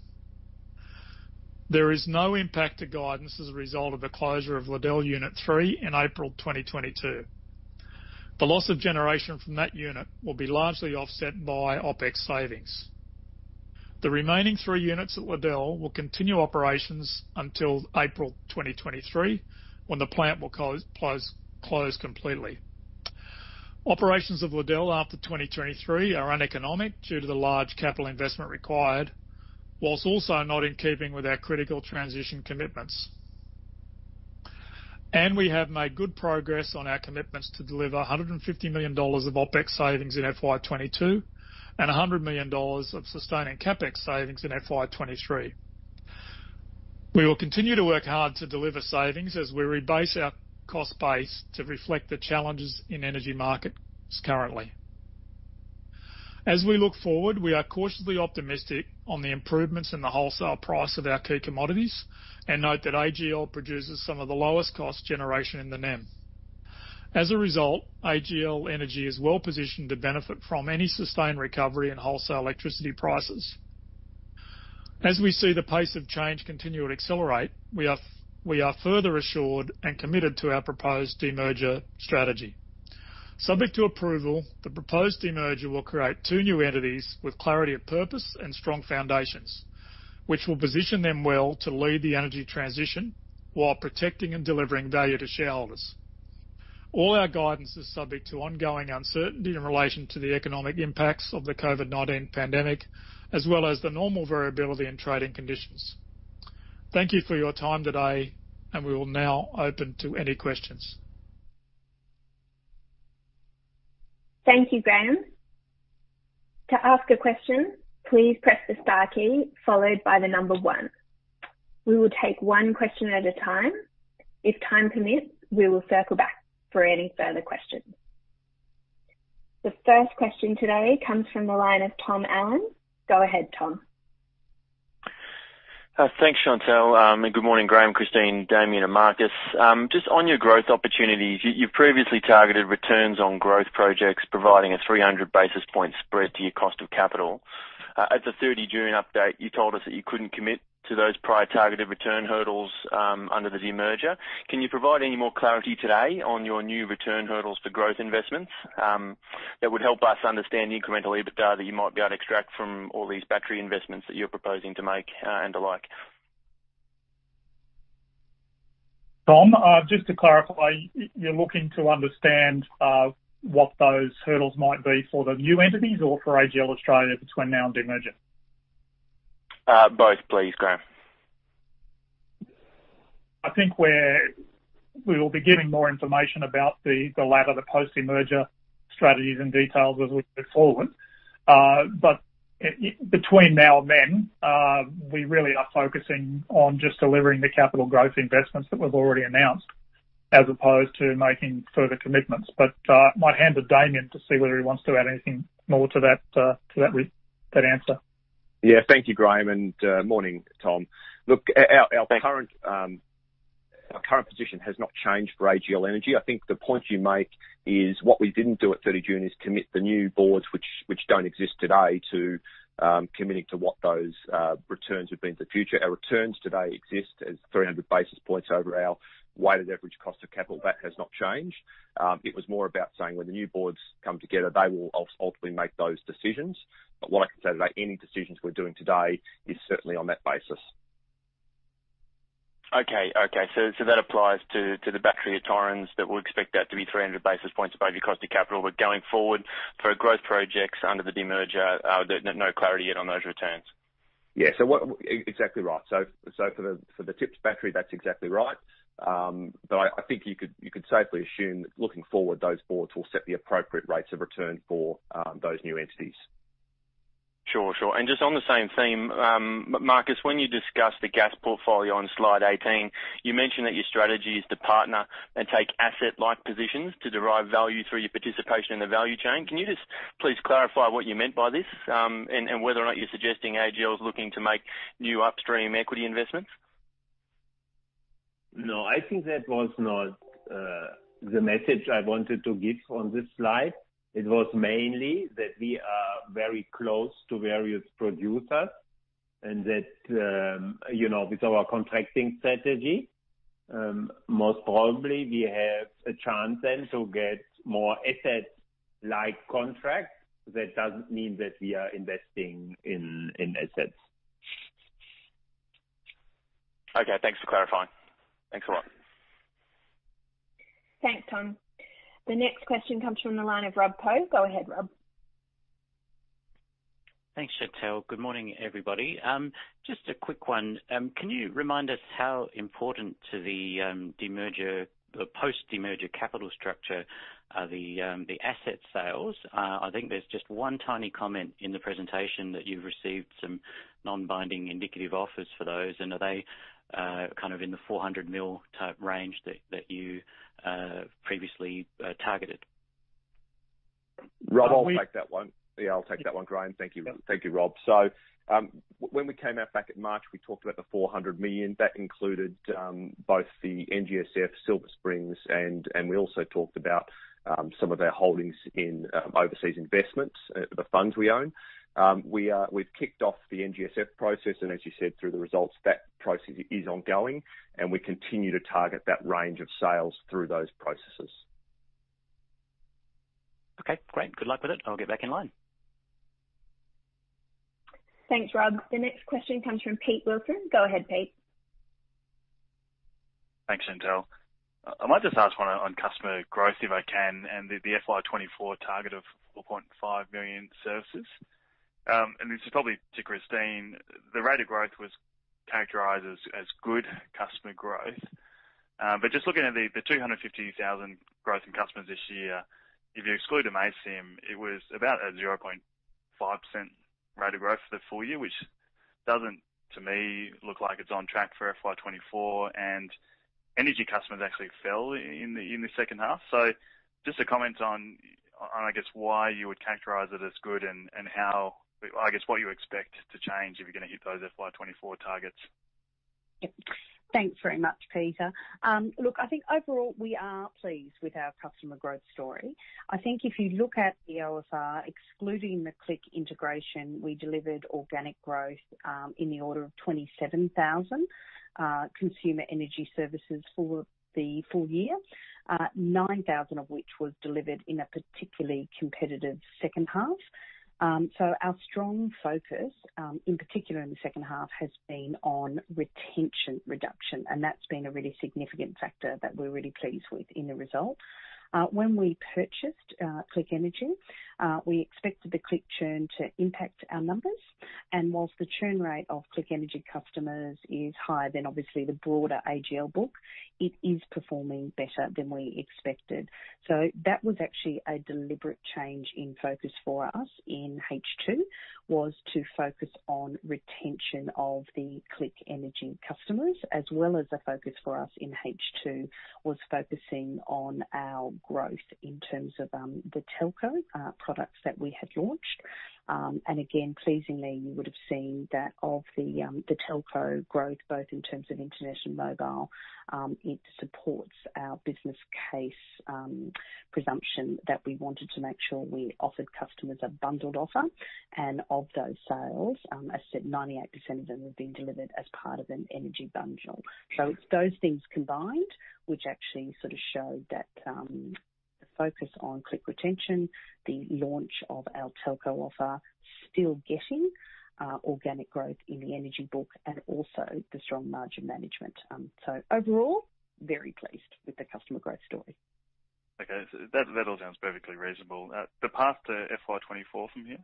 There is no impact to guidance as a result of the closure of Liddell Unit 3 in April 2022. The loss of generation from that unit will be largely offset by OpEx savings. The remaining three units at Liddell will continue operations until April 2023, when the plant will close completely. Operations of Liddell after 2023 are uneconomic due to the large capital investment required, whilst also not in keeping with our critical transition commitments. We have made good progress on our commitments to deliver 150 million dollars of OpEx savings in FY 2022 and 100 million dollars of sustaining CapEx savings in FY 2023. We will continue to work hard to deliver savings as we rebase our cost base to reflect the challenges in energy markets currently. As we look forward, we are cautiously optimistic on the improvements in the wholesale price of our key commodities and note that AGL produces some of the lowest cost generation in the NEM. As a result, AGL Energy is well-positioned to benefit from any sustained recovery in wholesale electricity prices. As we see the pace of change continue to accelerate, we are further assured and committed to our proposed demerger strategy. Subject to approval, the proposed demerger will create two new entities with clarity of purpose and strong foundations, which will position them well to lead the energy transition while protecting and delivering value to shareholders. All our guidance is subject to ongoing uncertainty in relation to the economic impacts of the COVID-19 pandemic, as well as the normal variability in trading conditions. Thank you for your time today, and we will now open to any questions. Thank you, Graeme. To ask a question, please press the star key followed by the number one. We will take one question at a time. If time permits, we will circle back for any further questions. The first question today comes from the line of Tom Allen. Go ahead, Tom. Thanks, Chantal. Good morning, Graeme, Christine, Damien, and Markus. Just on your growth opportunities, you've previously targeted returns on growth projects, providing a 300 basis point spread to your cost of capital. At the 30 June update, you told us that you couldn't commit to those prior targeted return hurdles under the demerger. Can you provide any more clarity today on your new return hurdles for growth investments? That would help us understand the incremental EBITDA that you might be able to extract from all these battery investments that you're proposing to make, and the like. Tom, just to clarify, you're looking to understand what those hurdles might be for the new entities or for AGL Australia between now and demerger? Both, please, Graeme. I think we will be giving more information about the latter, the post-demerger strategies and details as we move forward. Between now and then, we really are focusing on just delivering the capital growth investments that we've already announced, as opposed to making further commitments. I might hand to Damien to see whether he wants to add anything more to that answer. Yeah, thank you, Graeme, and morning, Tom. Thanks. Our current position has not changed for AGL Energy. I think the point you make is what we didn't do at 30 June is commit the new boards, which don't exist today, to committing to what those returns would be in the future. Our returns today exist as 300 basis points over our weighted average cost of capital. That has not changed. It was more about saying when the new boards come together, they will ultimately make those decisions. What I can say today, any decisions we're doing today is certainly on that basis. That applies to the battery at Torrens, that we'll expect that to be 300 basis points above your cost of capital. Going forward, for growth projects under the demerger, no clarity yet on those returns. Yeah. Exactly right. For the TIPS battery, that's exactly right. I think you could safely assume that looking forward, those boards will set the appropriate rates of return for those new entities. Sure. Just on the same theme, Markus, when you discussed the gas portfolio on slide 18, you mentioned that your strategy is to partner and take asset-like positions to derive value through your participation in the value chain. Can you just please clarify what you meant by this, and whether or not you're suggesting AGL is looking to make new upstream equity investments? No, I think that was not the message I wanted to give on this slide. It was mainly that we are very close to various producers and that, with our contracting strategy, most probably we have a chance then to get more assets like contracts. That doesn't mean that we are investing in assets. Okay. Thanks for clarifying. Thanks a lot. Thanks, Tom. The next question comes from the line of Rob Koh. Go ahead, Rob. Thanks, Chantal. Good morning, everybody. Just a quick one. Can you remind us how important to the post-demerger capital structure are the asset sales? I think there's just one tiny comment in the presentation that you've received some non-binding indicative offers for those, and are they in the 400 million type range that you previously targeted? Rob, I'll take that one. Yeah, I'll take that one, Graeme Hunt. Thank you. Thank you, Rob. When we came out back in March, we talked about the 400 million. That included both the NGSF, Silver Springs, and we also talked about some of our holdings in overseas investments, the funds we own. We've kicked off the NGSF process, and as you said, through the results, that process is ongoing, and we continue to target that range of sales through those processes. Okay, great. Good luck with it. I'll get back in line. Thanks, Rob. The next question comes from Pete Wilson. Go ahead, Pete. Thanks, Chantal. I might just ask one on customer growth, if I can, and the FY 2024 target of 4.5 million services. This is probably to Christine. The rate of growth was characterized as good customer growth. Just looking at the 250,000 growth in customers this year, if you exclude amaysim, it was about a 0.5% rate of growth for the full year, which doesn't, to me, look like it's on track for FY 2024, and energy customers actually fell in the second half. Just a comment on, I guess, why you would characterize it as good and, I guess, what you expect to change if you're going to hit those FY 2024 targets? Thanks very much, Peter. Look, I think overall we are pleased with our customer growth story. I think if you look at the LFL, excluding the Click integration, we delivered organic growth in the order of 27,000 consumer energy services for the full year. 9,000 of which was delivered in a particularly competitive second half. Our strong focus, in particular in the second half, has been on retention reduction, and that's been a really significant factor that we're really pleased with in the results. When we purchased Click Energy, we expected the Click churn to impact our numbers. Whilst the churn rate of Click Energy customers is higher than obviously the broader AGL book, it is performing better than we expected. That was actually a deliberate change in focus for us in H2, was to focus on retention of the Click Energy customers, as well as a focus for us in H2, was focusing on our growth in terms of the telco products that we had launched. Again, pleasingly, you would have seen that of the telco growth, both in terms of internet and mobile, it supports our business case presumption that we wanted to make sure we offered customers a bundled offer. Of those sales, as I said, 98% of them have been delivered as part of an energy bundle. It's those things combined, which actually sort of show that the focus on Click retention, the launch of our telco offer, still getting organic growth in the energy book and also the strong margin management. Overall, very pleased with the customer growth story. Okay. That all sounds perfectly reasonable. The path to FY 2024 from here?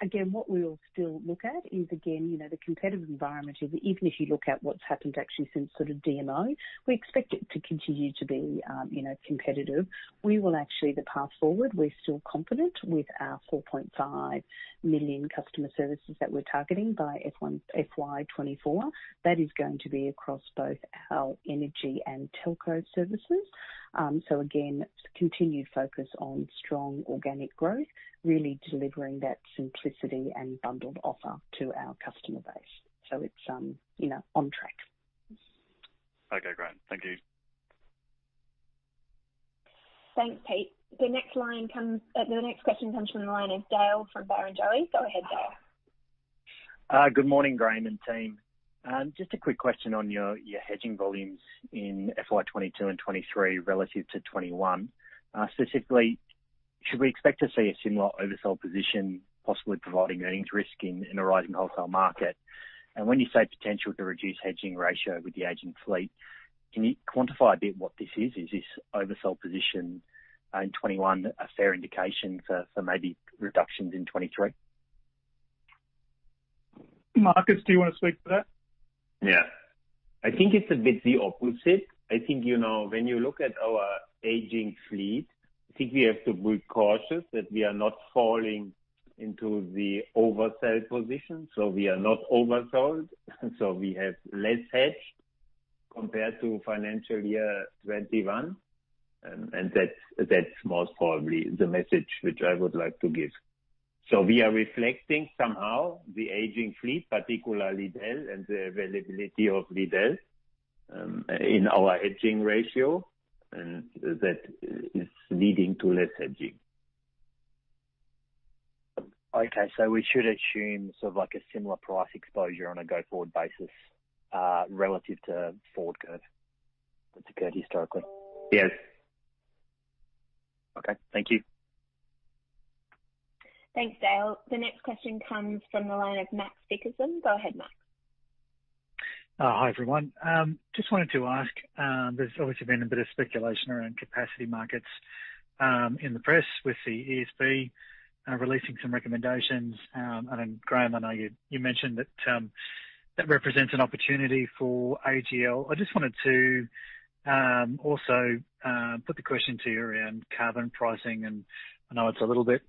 Again, what we'll still look at is, again, the competitive environment is, even if you look at what's happened actually since sort of DMO, we expect it to continue to be competitive. We will actually, the path forward, we're still confident with our 4.5 million customer services that we're targeting by FY 2024. That is going to be across both our energy and telco services. Again, continued focus on strong organic growth, really delivering that simplicity and bundled offer to our customer base. It's on track. Okay, great. Thank you. Thanks, Pete. The next question comes from the line of Dale from Barrenjoey. Go ahead, Dale. Good morning, Graeme and team. A quick question on your hedging volumes in FY 2022 and 2023 relative to 2021. Specifically, should we expect to see a similar oversold position, possibly providing earnings risk in a rising wholesale market? When you say potential to reduce hedging ratio with the aging fleet, can you quantify a bit what this is? Is this oversold position in 2021 a fair indication for maybe reductions in 2023? Markus, do you want to speak to that? I think it's a bit the opposite. I think, when you look at our aging fleet, I think we have to be cautious that we are not falling into the oversell position, so we are not oversold. We have less hedge compared to financial year 2021, and that's most probably the message which I would like to give. We are reflecting somehow the aging fleet, particularly Liddell and the availability of Liddell, in our hedging ratio, and that is leading to less hedging. Okay. We should assume sort of like a similar price exposure on a go-forward basis relative to forward curve that's occurred historically. Yes. Okay. Thank you. Thanks, Dale. The next question comes from the line of Max Vickerson. Go ahead, Max. Hi, everyone. Just wanted to ask, there's obviously been a bit of speculation around capacity markets, in the press with the ESB releasing some recommendations. Graeme, I know you mentioned that represents an opportunity for AGL. I just wanted to also put the question to you around carbon pricing, and I know it's a little bit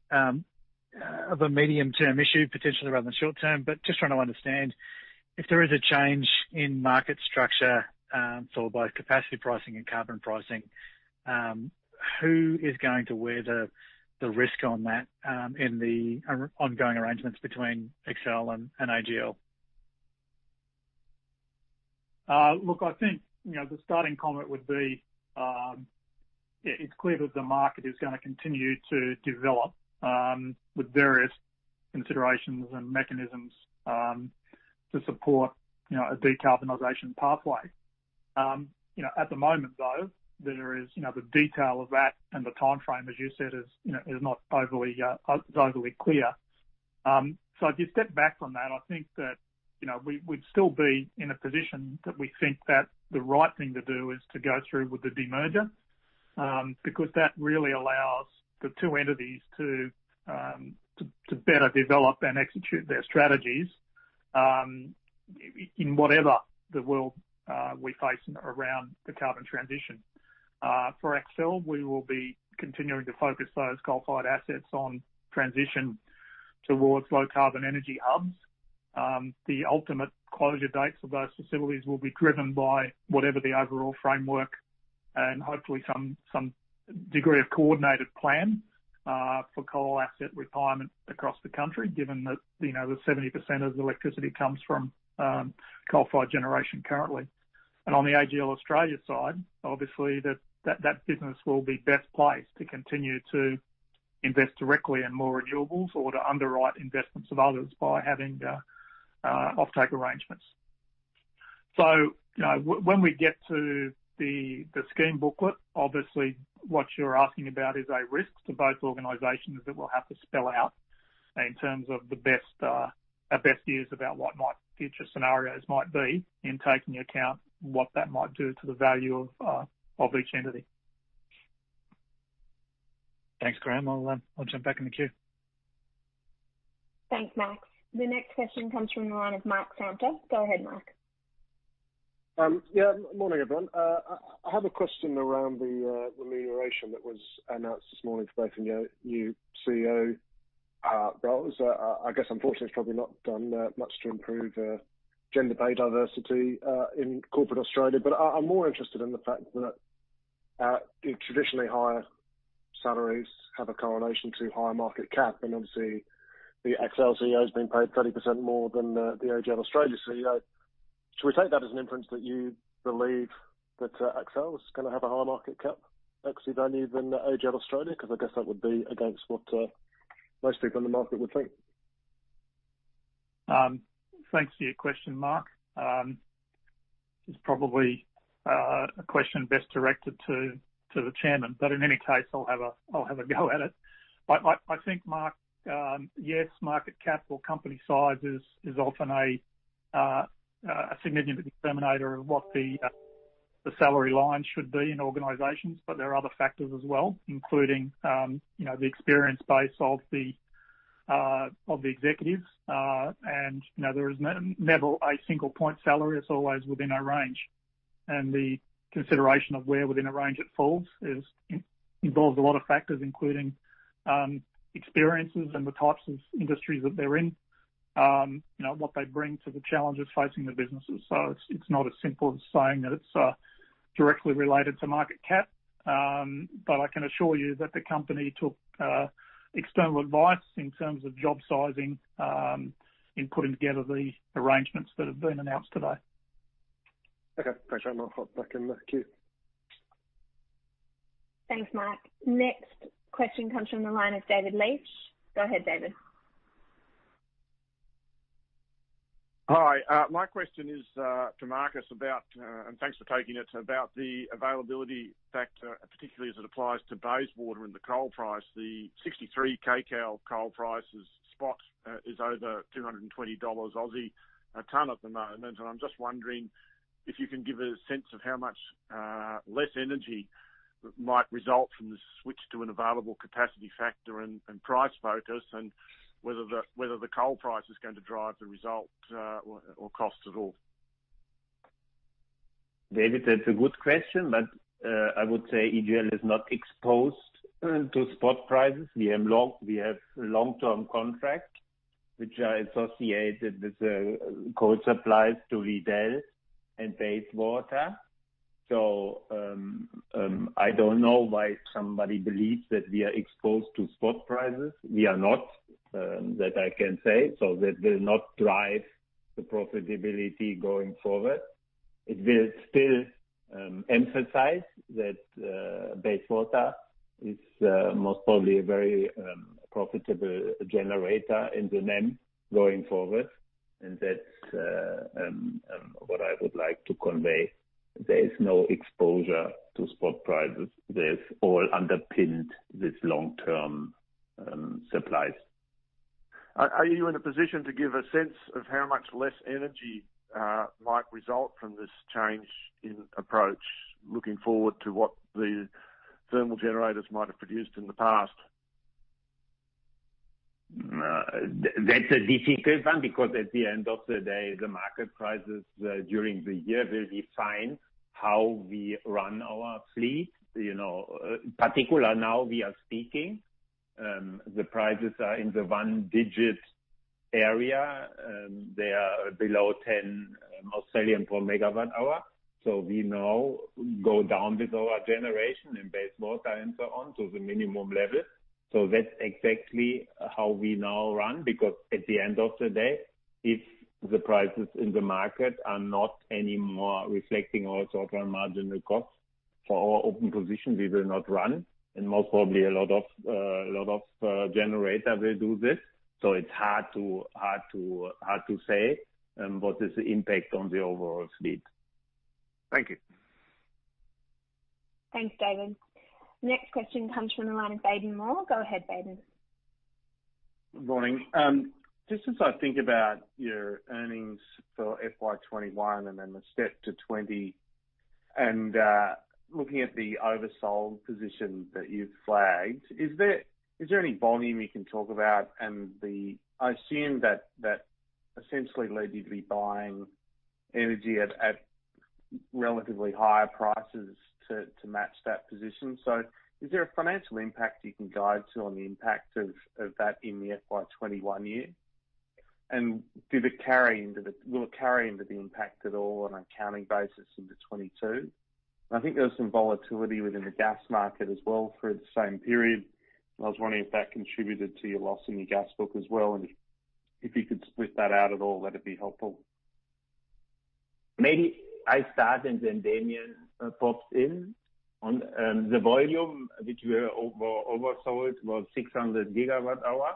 of a medium-term issue potentially rather than short-term, but just trying to understand if there is a change in market structure, shaped by capacity pricing and carbon pricing, who is going to wear the risk on that, in the ongoing arrangements between Accel Energy and AGL? Look, I think the starting comment would be, it's clear that the market is going to continue to develop with various considerations and mechanisms to support a decarbonization pathway. At the moment, though, there is the detail of that and the timeframe, as you said, is not overly clear. If you step back from that, I think that we'd still be in a position that we think that the right thing to do is to go through with the demerger, because that really allows the two entities to better develop and execute their strategies in whatever the world we face around the carbon transition. For Accel, we will be continuing to focus those coal-fired assets on transition towards low-carbon energy hubs. The ultimate closure dates of those facilities will be driven by whatever the overall framework. Hopefully some degree of coordinated plan for coal asset retirement across the country, given that 70% of the electricity comes from coal-fired generation currently. On the AGL Australia side, obviously that business will be best placed to continue to invest directly in more renewables or to underwrite investments of others by having offtake arrangements. When we get to the scheme booklet, obviously what you're asking about is a risk to both organizations that we'll have to spell out in terms of our best views about what future scenarios might be in taking account what that might do to the value of each entity. Thanks, Graeme. I'll jump back in the queue. Thanks, Max. The next question comes from the line of Mark Samter. Go ahead, Mark. Morning, everyone. I have a question around the remuneration that was announced this morning for both of your new CEO roles. I guess, unfortunately, it is probably not done much to improve gender pay diversity in corporate Australia. I am more interested in the fact that traditionally higher salaries have a correlation to higher market cap, and obviously the Accel CEO has been paid 30% more than the AGL Australia CEO. Should we take that as an inference that you believe that Accel is going to have a higher market cap actually than even AGL Australia? I guess that would be against what most people in the market would think. Thanks for your question, Mark. It's probably a question best directed to the chairman, in any case, I'll have a go at it. I think, Mark, yes, market cap or company size is often a significant determinator of what the salary lines should be in organizations. There are other factors as well, including the experience base of the executives. There is never a single point salary. It's always within a range. The consideration of where within a range it falls involves a lot of factors, including experiences and the types of industries that they're in, what they bring to the challenges facing the businesses. It's not as simple as saying that it's directly related to market cap. I can assure you that the company took external advice in terms of job sizing in putting together the arrangements that have been announced today. Okay. Thanks, Graeme. I'll hop back in the queue. Thanks, Mark. Next question comes from the line of David Leitch. Go ahead, David. Hi. My question is to Markus about, and thanks for taking it, about the availability factor, particularly as it applies to Bayswater and the coal price. The 63-kCal coal price spot is over 220 Aussie dollars a ton at the moment. I'm just wondering if you can give a sense of how much less energy might result from the switch to an available capacity factor and price focus, and whether the coal price is going to drive the result or cost at all. David, that's a good question. I would say AGL is not exposed to spot prices. We have long-term contracts which are associated with the coal supplies to Liddell and Bayswater. I don't know why somebody believes that we are exposed to spot prices. We are not, that I can say. That will not drive the profitability going forward. It will still emphasize that Bayswater is most probably a very profitable generator in the NEM going forward, and that's what I would like to convey. There is no exposure to spot prices. That's all underpinned with long-term supplies. Are you in a position to give a sense of how much less energy might result from this change in approach, looking forward to what the thermal generators might have produced in the past? That's a difficult one because at the end of the day, the market prices during the year will define how we run our fleet. In particular, now we are speaking, the prices are in the one-digit area. They are below 10 per MWh. We now go down with our generation in Bayswater and so on to the minimum level. That's exactly how we now run, because at the end of the day, if the prices in the market are not anymore reflecting our sort of marginal cost for our open positions, we will not run. Most probably a lot of generator will do this. It's hard to say what is the impact on the overall fleet. Thank you. Thanks, David. Next question comes from the line of Baden Moore. Go ahead, Baden. Morning. Just as I think about your earnings for FY 2021 and then the step to 2020, looking at the oversold position that you've flagged, is there any volume you can talk about? I assume that essentially led you to be buying energy at relatively higher prices to match that position. Is there a financial impact you can guide to on the impact of that in the FY 2021 year? Will it carry into the impact at all on an accounting basis into 2022? I think there was some volatility within the gas market as well through the same period. I was wondering if that contributed to your loss in your gas book as well, and if you could split that out at all, that'd be helpful. Maybe I start and then Damien pops in. On the volume, which were oversold, was 600 GWh,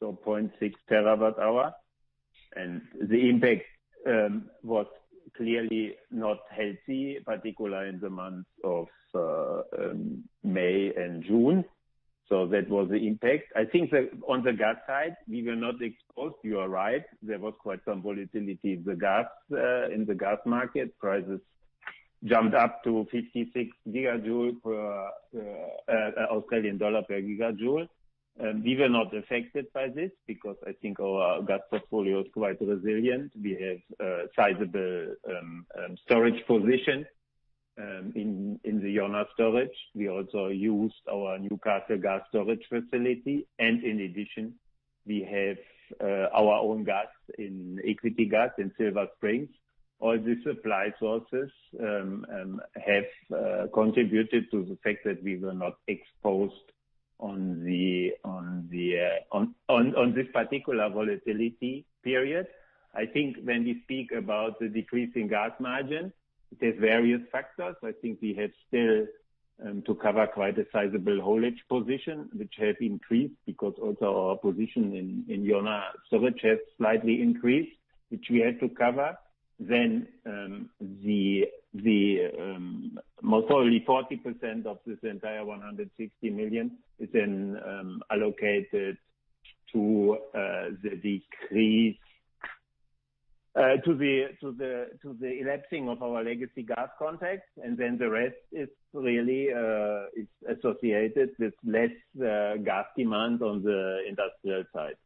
so 0.6 TWh. The impact was clearly not healthy, particularly in the months of May and June. That was the impact. I think on the gas side, we were not exposed, you are right. There was quite some volatility in the gas market. Prices jumped up to 56 per GJ. We were not affected by this because I think our gas portfolio is quite resilient. We have a sizable storage position in the Iona storage. We also used our Newcastle gas storage facility. In addition, we have our own gas in equity gas in Silver Springs. All these supply sources have contributed to the fact that we were not exposed on this particular volatility period. I think when we speak about the decreasing gas margin, there is various factors. I think we have still to cover quite a sizable haulage position, which has increased because also our position in Iona storage has slightly increased, which we had to cover. Most probably 40% of this entire 160 million is then allocated to the elapsing of our legacy gas contracts, and then the rest is really associated with less gas demand on the industrial side.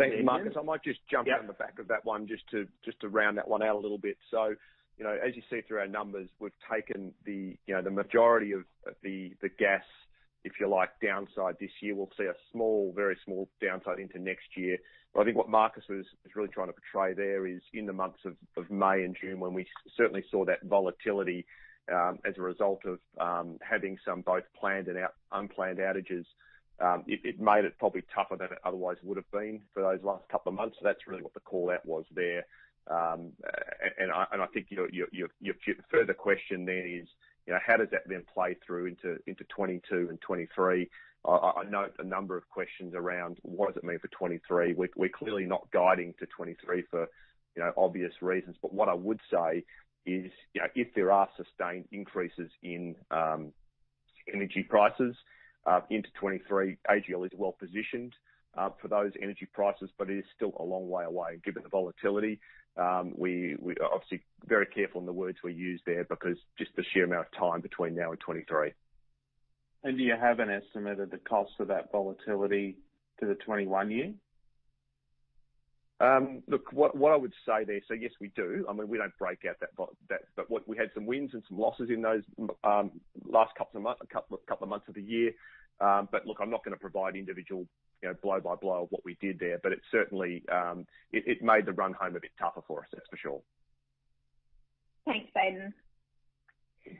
Thank you, Markus. I might just jump-. Yeah. On the back of that one just to round that one out a little bit. As you see through our numbers, we've taken the majority of the gas, if you like, downside this year. We'll see a very small downside into next year. I think what Markus was really trying to portray there is in the months of May and June, when we certainly saw that volatility, as a result of having some both planned and unplanned outages, it made it probably tougher than it otherwise would have been for those last couple of months. That's really what the call-out was there. I think your further question then is, how does that then play through into 2022 and 2023? I note a number of questions around what does it mean for 2023. We're clearly not guiding to 2023 for obvious reasons. What I would say is, if there are sustained increases in energy prices into 2023, AGL is well-positioned for those energy prices, but it is still a long way away. Given the volatility, we are obviously very careful in the words we use there because just the sheer amount of time between now and 2023. Do you have an estimate of the cost of that volatility to the 2021 year? Look, what I would say there, so yes, we do. I mean, we don't break out that, but we had some wins and some losses in those last couple of months of the year. Look, I'm not going to provide individual blow-by-blow of what we did there. It certainly made the run home a bit tougher for us, that's for sure. Thanks, Baden.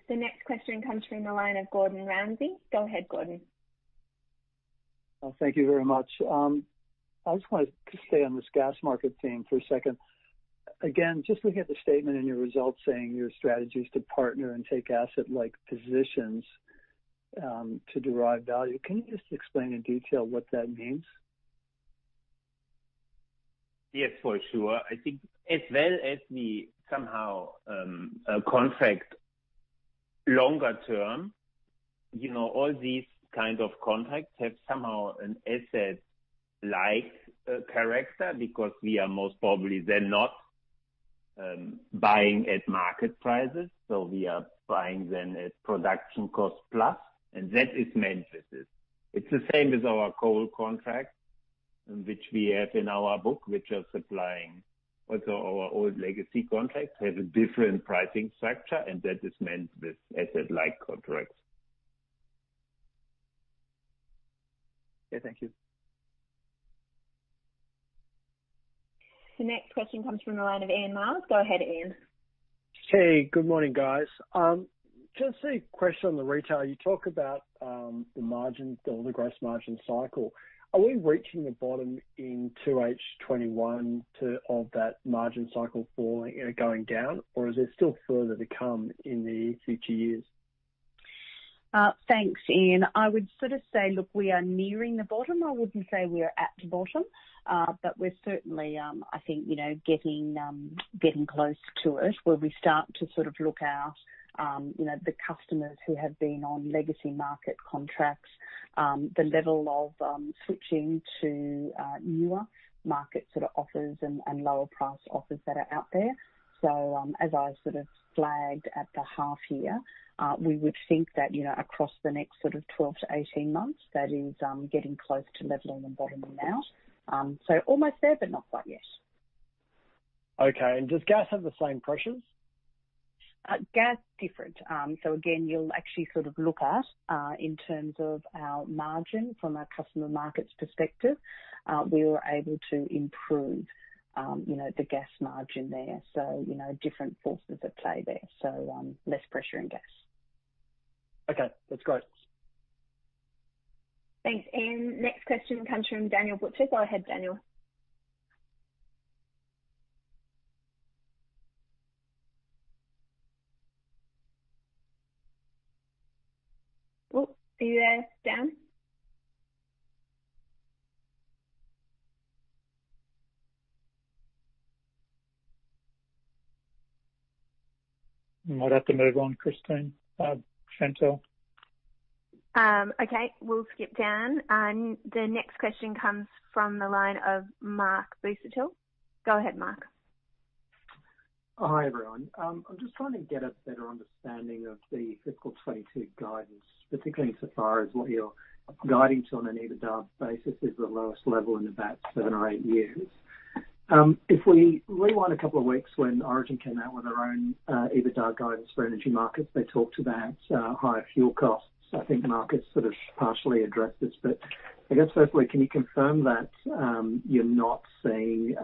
The next question comes from the line of Gordon Ramsay. Go ahead, Gordon. Thank you very much. I just wanted to stay on this gas market theme for a second. Just looking at the statement in your results saying your strategy is to partner and take asset-like positions to derive value. Can you just explain in detail what that means? Yes, for sure. I think as well as we somehow contract longer term, all these kind of contracts have somehow an asset-like character because we are most probably then not buying at market prices. We are buying then at production cost plus, and that is meant with this. It's the same with our coal contract, which we have in our book, which are supplying also our old legacy contracts, have a different pricing structure, and that is meant with asset-like contracts. Yeah. Thank you. The next question comes from the line of Ian Myles. Go ahead, Ian. Hey, good morning, guys. Just a question on the retail. You talk about the gross margin cycle. Are we reaching the bottom in 2H 2021 of that margin cycle going down, or is there still further to come in the future years? Thanks, Ian. I would sort of say, look, we are nearing the bottom. I wouldn't say we are at the bottom. We're certainly, I think, getting close to it, where we start to sort of look at the customers who have been on legacy market contracts, the level of switching to newer market sort of offers and lower-priced offers that are out there. As I sort of flagged at the half year, we would think that across the next sort of 12-18 months, that is getting close to leveling and bottoming out. Almost there, but not quite yet. Okay. Does gas have the same pressures? Gas is different. Again, you'll actually sort of look at, in terms of our margin from our customer markets perspective, we were able to improve the gas margin there. Different forces at play there, so less pressure in gas. Okay. That's great. Thanks. Next question comes from Daniel Butcher. Go ahead, Daniel. Oops, are you there, Dan? Might have to move on, Christine, Chantal. Okay, we'll skip Dan. The next question comes from the line of Mark Busuttil. Go ahead, Mark. Hi, everyone. I'm just trying to get a better understanding of the fiscal 2022 guidance, particularly insofar as what you're guiding to on an EBITDA basis is the lowest level in about seven or eight years. If we rewind a couple of weeks when Origin came out with their own EBITDA guidance for energy markets, they talked about higher fuel costs. I think Mark has sort of partially addressed this, I guess firstly, can you confirm that you're not seeing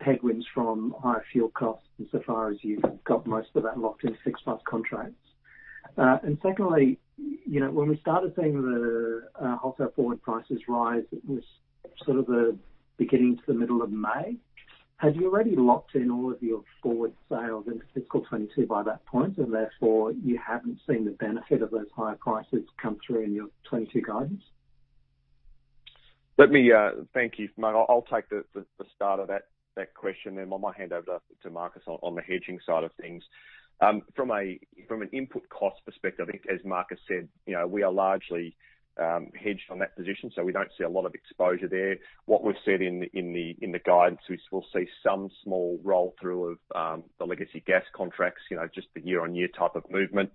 headwinds from higher fuel costs insofar as you've got most of that locked in six month contracts? Secondly, when we started seeing the wholesale forward prices rise, it was sort of the beginning to the middle of May. Had you already locked in all of your forward sales in FY 2022 by that point, and therefore you haven't seen the benefit of those higher prices come through in your 2022 guidance? Thank you, Mark. I'll take the start of that question, then I might hand over to Markus on the hedging side of things. From an input cost perspective, I think as Markus said, we are largely hedged on that position, so we don't see a lot of exposure there. What we've said in the guidance, we will see some small roll-through of the legacy gas contracts, just the year-on-year type of movement.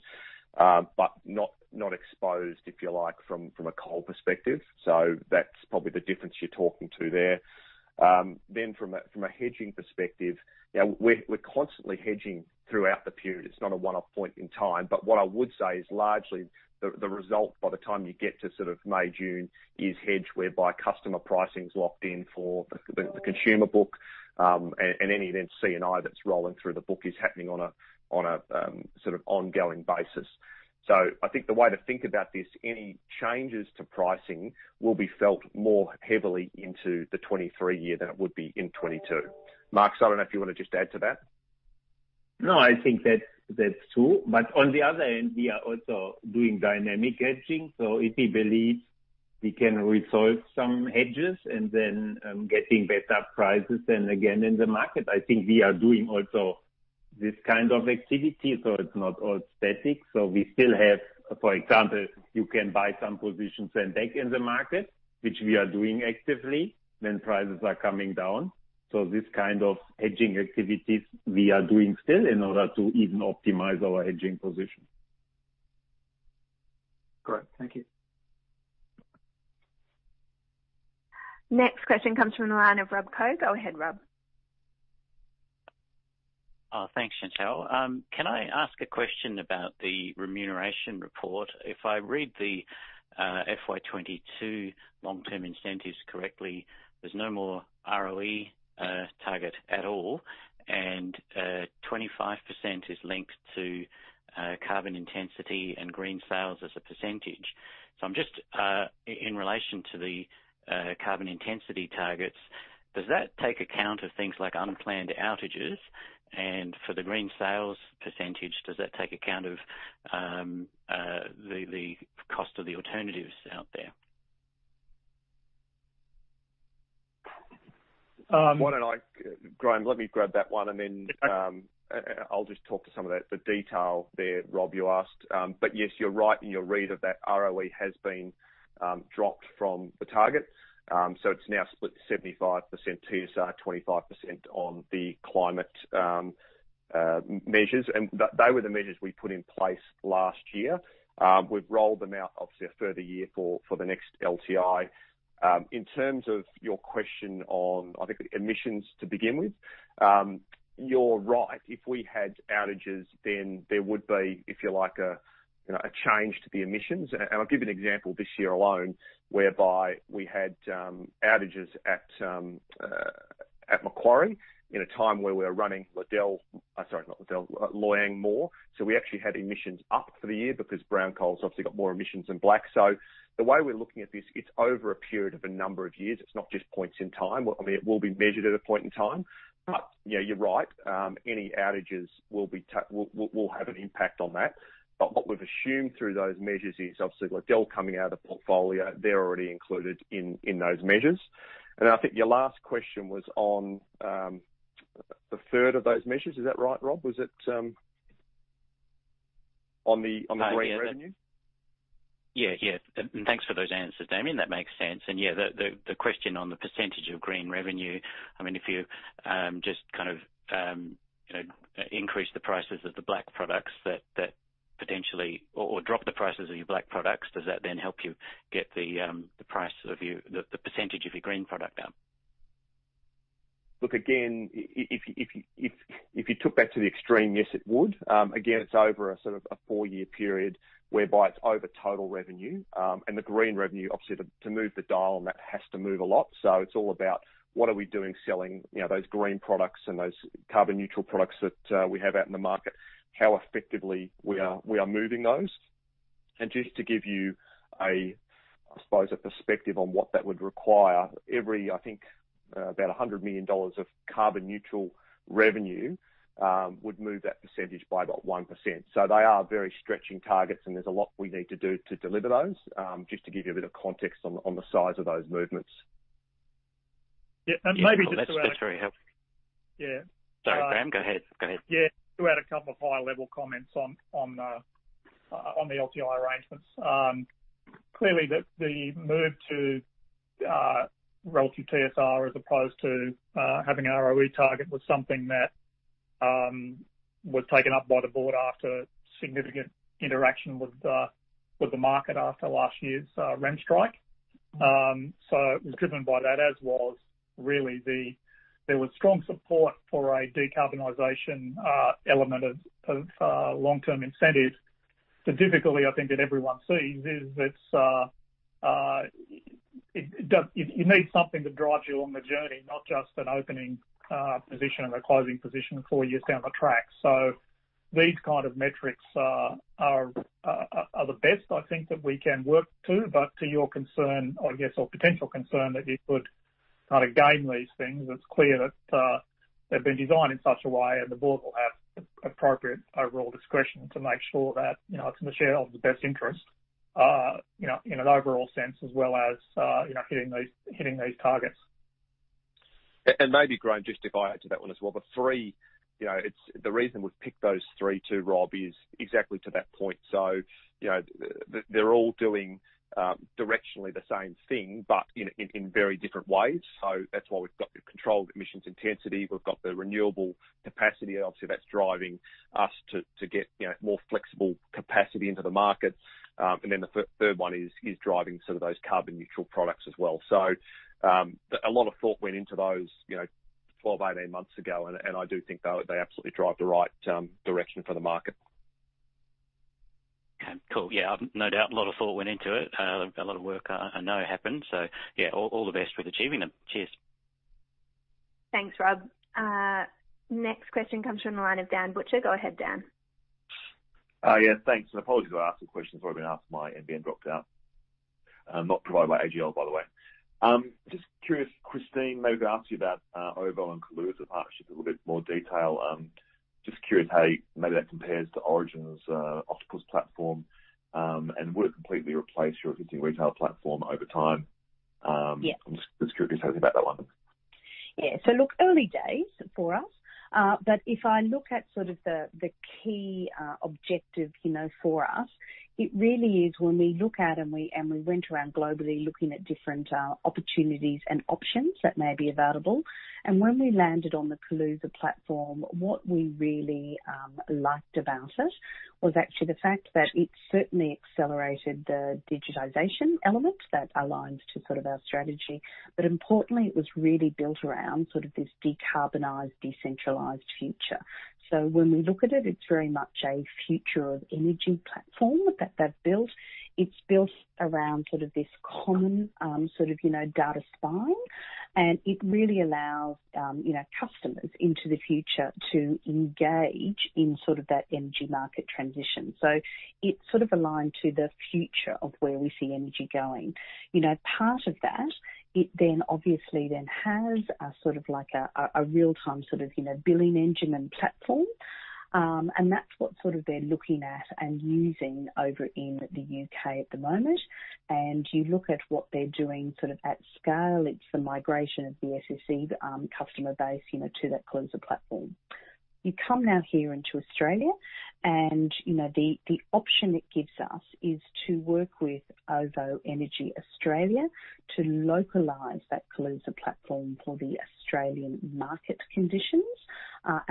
Not exposed, if you like, from a coal perspective. That's probably the difference you're talking to there. From a hedging perspective, we're constantly hedging throughout the period. It's not a one-off point in time. What I would say is largely the result by the time you get to sort of May, June is hedged, whereby customer pricing is locked in for the consumer book, and any then C&I that's rolling through the book is happening on a sort of ongoing basis. I think the way to think about this, any changes to pricing will be felt more heavily into the 2023 year than it would be in 2022. Markus, I don't know if you want to just add to that. I think that's true. On the other end, we are also doing dynamic hedging. If we believe we can resolve some hedges and then getting better prices, then again, in the market, I think we are doing also this kind of activity, so it's not all static. We still have, for example, you can buy some positions and take in the market, which we are doing actively when prices are coming down. This kind of hedging activities we are doing still in order to even optimize our hedging position. Great. Thank you. Next question comes from the line of Rob Koh. Go ahead, Rob. Thanks, Chantal. Can I ask a question about the remuneration report? If I read the FY 2022 long-term incentives correctly, there's no more ROE target at all, and 25% is linked to carbon intensity and green sales as a percentage. In relation to the carbon intensity targets, does that take account of things like unplanned outages? For the green sales percentage, does that take account of the cost of the alternatives out there? Why don't I Graeme, let me grab that one. Yeah. I'll just talk to some of the detail there, Rob, you asked. Yes, you're right in your read of that ROE has been dropped from the target. It's now split 75% TSR, 25% on the climate measures. They were the measures we put in place last year. We've rolled them out, obviously, a further year for the next LTI. In terms of your question on, I think, emissions to begin with, you're right. If we had outages, then there would be, if you like, a change to the emissions. I'll give you an example this year alone, whereby we had outages at Macquarie in a time where we were running Liddell, sorry, not Liddell, Loy Yang more. We actually had emissions up for the year because brown coal's obviously got more emissions than black. The way we're looking at this, it's over a period of a number of years. It's not just points in time. I mean, it will be measured at a point in time. Yeah, you're right. Any outages will have an impact on that. What we've assumed through those measures is obviously Liddell coming out of the portfolio, they're already included in those measures. I think your last question was on the third of those measures, is that right, Rob? Was it on the green revenue? Yeah. Thanks for those answers, Damien. That makes sense. Yeah, the question on the percentage of green revenue, I mean, if you just kind of increased the prices of the black products, or drop the prices of your black products, does that then help you get the percentage of your green product up? Again, if you took that to the extreme, yes, it would. Again, it's over a four-year period whereby it's over total revenue. The green revenue, obviously, to move the dial on that has to move a lot. It's all about what are we doing selling those green products and those carbon-neutral products that we have out in the market, how effectively we are moving those. Just to give you, I suppose, a perspective on what that would require. Every, I think, about 100 million dollars of carbon-neutral revenue, would move that percentage by about 1%. They are very stretching targets, and there's a lot we need to do to deliver those, just to give you a bit of context on the size of those movements. Yeah. Yeah. Well, that's very helpful. Yeah. Sorry, Graeme. Go ahead. Yeah. To add a couple of high-level comments on the LTI arrangements. Clearly, the move to relative TSR as opposed to having an ROE target was something that was taken up by the board after significant interaction with the market after last year's REM strike. It was driven by that, as was strong support for a decarbonization element of long-term incentives. The difficulty I think that everyone sees is that you need something to drive you on the journey, not just an opening position and a closing position four years down the track. These kind of metrics are the best I think that we can work to. To your concern, I guess, or potential concern, that you could game these things, it's clear that they've been designed in such a way, and the board will have appropriate overall discretion to make sure that it's in the shareholders' best interest, in an overall sense, as well as hitting these targets. Maybe, Graeme, just if I add to that one as well. The reason we've picked those three too, Rob Koh, is exactly to that point. They're all doing directionally the same thing, but in very different ways. That's why we've got the controlled emissions intensity, we've got the renewable capacity, obviously, that's driving us to get more flexible capacity into the market. Then the third one is driving some of those carbon-neutral products as well. A lot of thought went into those 12, 18-months ago, and I do think they absolutely drive the right direction for the market. Okay. Cool. Yeah. No doubt a lot of thought went into it. A lot of work I know happened. Yeah, all the best with achieving them. Cheers. Thanks, Rob. Next question comes from the line of Dan Butcher. Go ahead, Dan. Thanks, apologies if I ask the question that's already been asked. My NBN dropped out. Not provided by AGL, by the way. Just curious, Christine, maybe to ask you about OVO and Kaluza partnership in a little bit more detail. Just curious how maybe that compares to Origin's Octopus platform. Would it completely replace your existing retail platform over time? Yeah. I'm just curious about that one. Yeah. Look, early days for us. If I look at the key objective for us, it really is when we look at, and we went around globally looking at different opportunities and options that may be available. When we landed on the Kaluza platform, what we really liked about it was actually the fact that it certainly accelerated the digitization element that aligns to our strategy. Importantly, it was really built around this decarbonized, decentralized future. When we look at it's very much a future of energy platform that they've built. It's built around this common data spine, it really allows customers into the future to engage in that energy market transition. It aligned to the future of where we see energy going. Part of that, it then obviously has a real-time billing engine and platform. That's what they're looking at and using over in the U.K. at the moment. You look at what they're doing at scale, it's the migration of the SSE customer base to that Kaluza platform. You come now here into Australia, and the option it gives us is to work with OVO Energy Australia to localize that Kaluza platform for the Australian market conditions.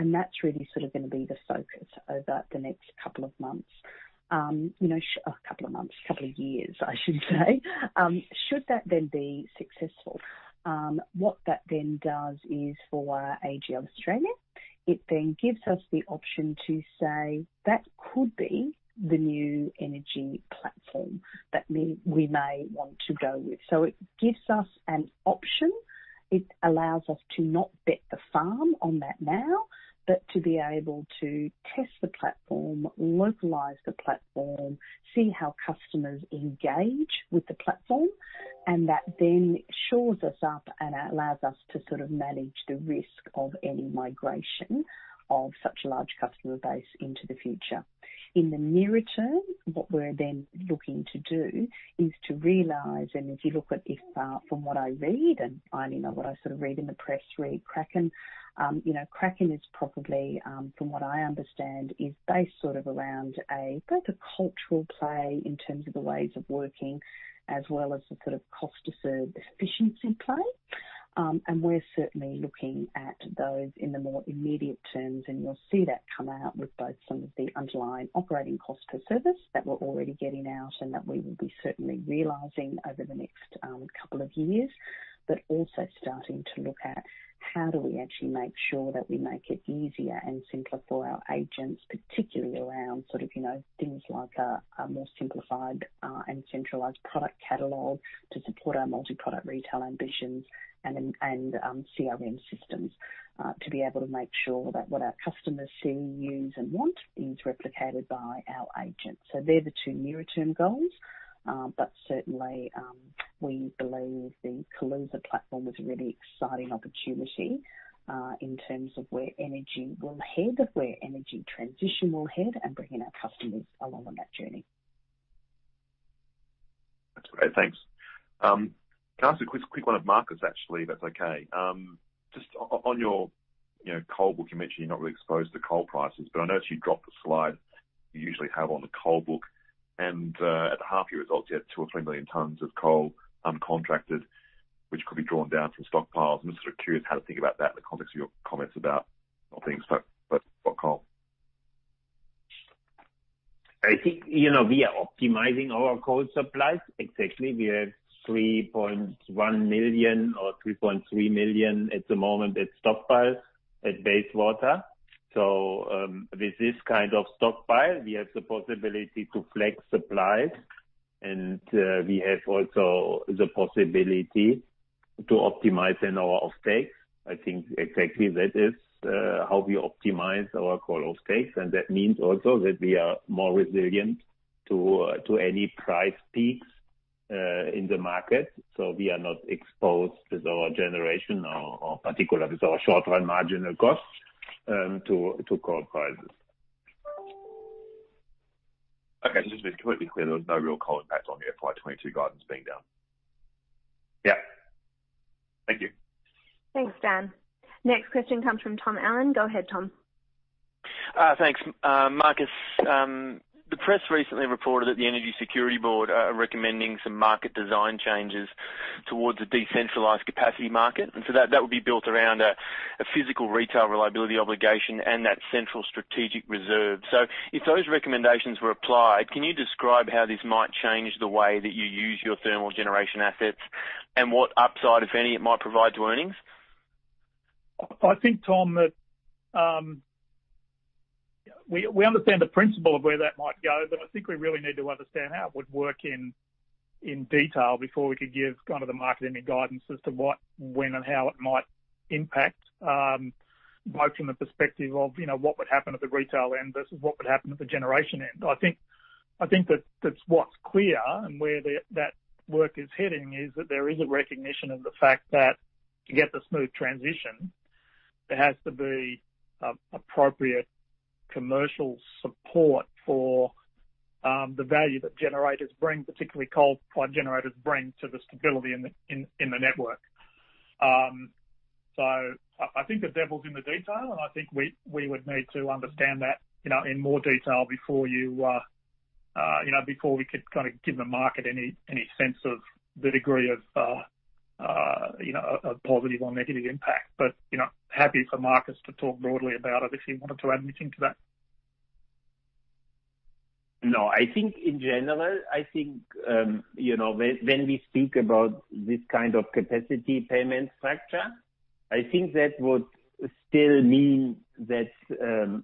That's really going to be the focus over the next couple of months. A couple of months? Couple of years, I should say. Should that then be successful, what that then does is for AGL Australia, it then gives us the option to say that could be the new energy platform that we may want to go with. It gives us an option. It allows us to not bet the farm on that now, but to be able to test the platform, localize the platform, see how customers engage with the platform, and that then shores us up and allows us to manage the risk of any migration of such a large customer base into the future. In the nearer term, what we're then looking to do is to realize, and if you look at this from what I read, and I mean what I read in the press, read Kraken. Kraken is probably, from what I understand, is based around a cultural play in terms of the ways of working as well as the cost to serve efficiency play. We're certainly looking at those in the more immediate terms, and you'll see that come out with both some of the underlying operating cost per service that we're already getting out and that we will be certainly realizing over the next couple of years. Also starting to look at how do we actually make sure that we make it easier and simpler for our agents, particularly around things like a more simplified and centralized product catalog to support our multi-product retail ambitions and CRM systems to be able to make sure that what our customers see, use, and want is replicated by our agents. They're the two near-term goals. Certainly, we believe the Kaluza platform is a really exciting opportunity in terms of where energy will head, where energy transition will head, and bringing our customers along on that journey. That's great. Thanks. Can I ask a quick one of Markus, actually, if that's okay. Just on your coal book, you mentioned you're not really exposed to coal prices, but I noticed you dropped the slide you usually have on the coal book and at the half-year results, you had 2 million tons or 3 million tons of coal uncontracted, which could be drawn down from stockpiles. I'm just sort of curious how to think about that in the context of your comments about things, but coal. I think, we are optimizing our coal supplies. Exactly, we have 3.1 million or 3.3 million at the moment at stockpiles at Bayswater. With this kind of stockpile, we have the possibility to flex supplies, and we have also the possibility to optimize in our offtake. I think exactly that is how we optimize our coal offtakes, and that means also that we are more resilient to any price peaks in the market. We are not exposed with our generation or particular with our short-run marginal cost to coal prices. Okay. Just to be completely clear, there was no real coal impact on the FY 2022 guidance being down. Yeah. Thank you. Thanks, Dan. Next question comes from Tom Allen. Go ahead, Tom. Thanks. Markus, the press recently reported that the Energy Security Board are recommending some market design changes towards a decentralized capacity market. That would be built around a physical retail reliability obligation and that central strategic reserve. If those recommendations were applied, can you describe how this might change the way that you use your thermal generation assets and what upside, if any, it might provide to earnings? I think, Tom, that we understand the principle of where that might go, but I think we really need to understand how it would work in detail before we could give the market any guidance as to what, when, and how it might impact, both from the perspective of what would happen at the retail end versus what would happen at the generation end. I think that what's clear and where that work is heading is that there is a recognition of the fact that to get the smooth transition, there has to be appropriate commercial support for the value that generators bring, particularly coal-fired generators bring to the stability in the network. I think the devil's in the detail, and I think we would need to understand that in more detail before we could give the market any sense of the degree of positive or negative impact. Happy for Markus to talk broadly about it if you wanted to add anything to that. No, I think in general, when we speak about this kind of capacity payment structure, I think that would still mean, for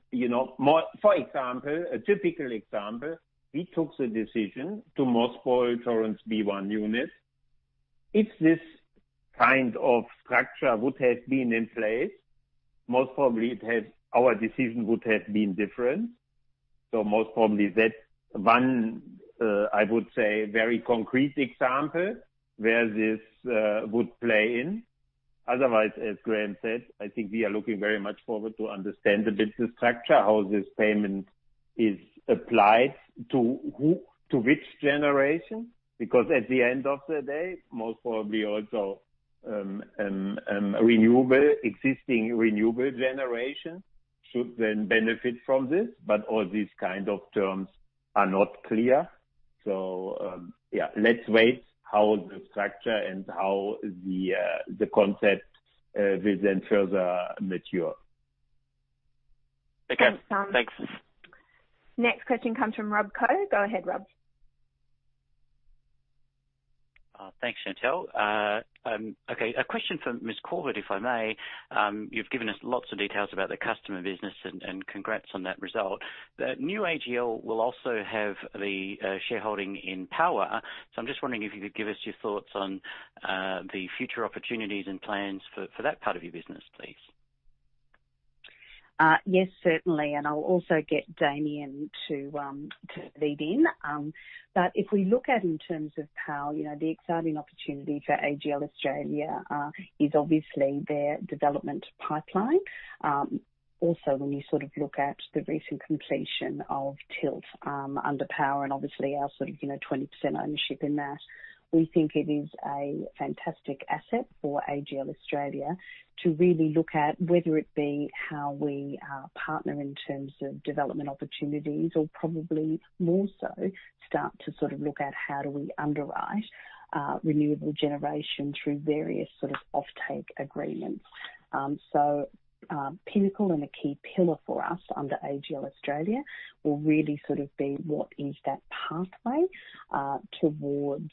example, a typical example, we took the decision to mothball Torrens B1 Unit. If this kind of structure would have been in place, most probably our decision would have been different. Most probably that one, I would say, very concrete example where this would play in. Otherwise, as Graeme Hunt said, I think we are looking very much forward to understand the business structure, how this payment is applied, to which generation. At the end of the day, most probably also existing renewable generation should then benefit from this. All these kind of terms are not clear. Let's wait how the structure and how the concept will then further mature. Okay. Thanks. Next question comes from Rob Koh. Go ahead, Rob. Thanks, Chantal. Okay, a question for Ms. Corbett, if I may. You've given us lots of details about the customer business, and congrats on that result. The new AGL will also have the shareholding in PowAR. I'm just wondering if you could give us your thoughts on the future opportunities and plans for that part of your business, please. Yes, certainly. I'll also get Damien to feed in. If we look at in terms of PowAR, the exciting opportunity for AGL Australia is obviously their development pipeline. When you look at the recent completion of Tilt under PowAR and obviously our 20% ownership in that, we think it is a fantastic asset for AGL Australia to really look at whether it be how we partner in terms of development opportunities or probably more so start to look at how do we underwrite renewable generation through various sort of offtake agreements. Pinnacle and a key pillar for us under AGL Australia will really be what is that pathway towards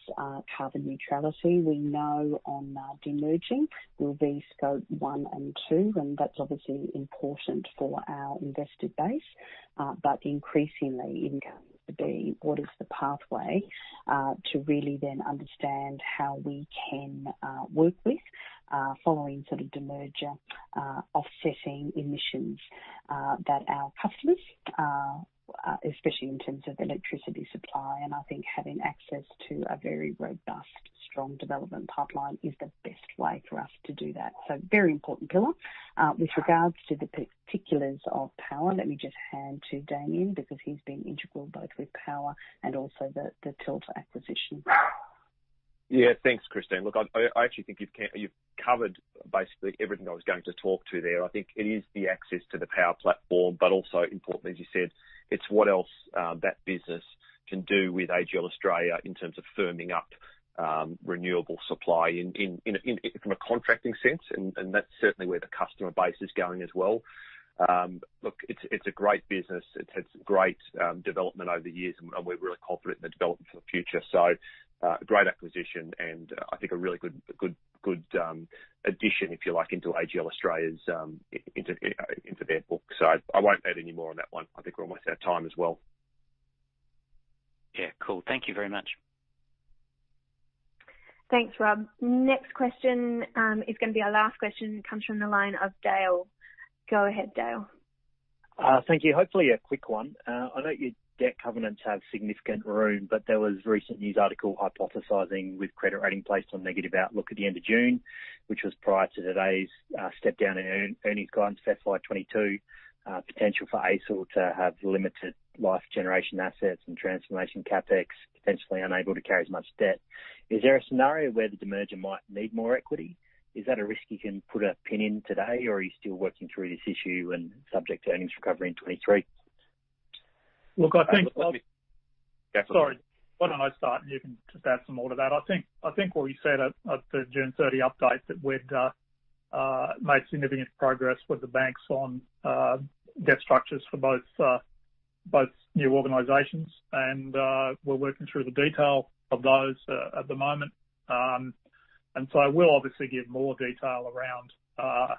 carbon neutrality. We know on demerging will be Scope 1 and 2, and that's obviously important for our investor base. Increasingly it'll be what is the pathway, to really then understand how we can work with, following sort of demerger, offsetting emissions, that our customers, especially in terms of electricity supply, and I think having access to a very robust, strong development pipeline is the best way for us to do that. A very important pillar. With regards to the particulars of PowAR, let me just hand to Damien because he's been integral both with PowAR and also the Tilt acquisition. Thanks, Christine. Look, I actually think you've covered basically everything I was going to talk to there. I think it is the access to the PowAR platform, but also importantly, as you said, it's what else that business can do with AGL Australia in terms of firming up renewable supply from a contracting sense, and that's certainly where the customer base is going as well. Look, it's a great business. It's had some great development over the years, and we're really confident in the development for the future. Great acquisition and I think a really good addition, if you like, into AGL Australia's, into their books. I won't add any more on that one. I think we're almost out of time as well. Yeah, cool. Thank you very much. Thanks, Rob. Next question is going to be our last question. It comes from the line of Dale. Go ahead, Dale. Thank you. Hopefully a quick one. I know your debt covenants have significant room, but there was a recent news article hypothesizing with credit rating placed on negative outlook at the end of June, which was prior to today's step down in earnings guidance for FY 2022, potential for AGL to have limited life generation assets and transformation CapEx potentially unable to carry as much debt. Is there a scenario where the demerger might need more equity? Is that a risk you can put a pin in today, or are you still working through this issue and subject to earnings recovery in 2023? Look, I think-. Yeah. Sorry, why don't I start, and you can just add some more to that. I think what we said at the June 30 update, that we'd made significant progress with the banks on debt structures for both new organizations, and we're working through the detail of those at the moment. I will obviously give more detail around all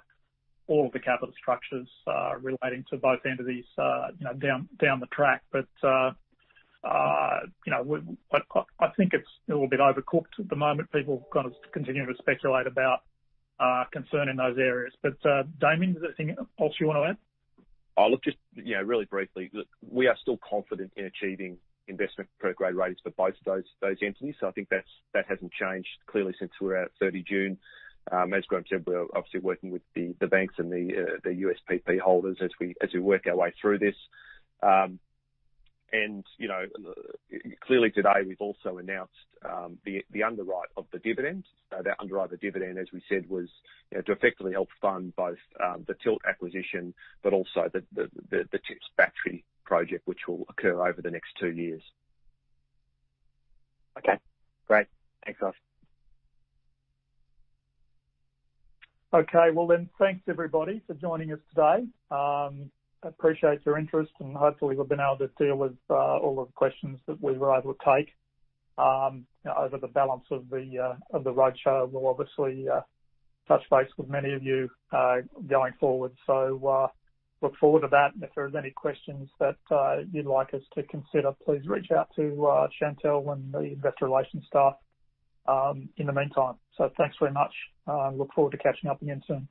of the capital structures relating to both entities down the track. I think it's a little bit overcooked at the moment. People continue to speculate about concern in those areas. Damien, is there anything else you want to add? Look, just really briefly, we are still confident in achieving investment-grade ratings for both those entities. I think that hasn't changed clearly since we were out 30 June. As Graeme said, we are obviously working with the banks and the USPP holders as we work our way through this. Clearly today we've also announced the underwrite of the dividend. That underwrite of the dividend, as we said, was to effectively help fund both the Tilt acquisition, but also the TIPS battery project, which will occur over the next two years. Okay, great. Thanks, guys. Thanks everybody for joining us today. Appreciate your interest, and hopefully we've been able to deal with all of the questions that we were able to take. Over the balance of the roadshow, we'll obviously touch base with many of you going forward. Look forward to that, and if there are any questions that you'd like us to consider, please reach out to Chantal and the investor relations staff in the meantime. Thanks very much. Look forward to catching up again soon.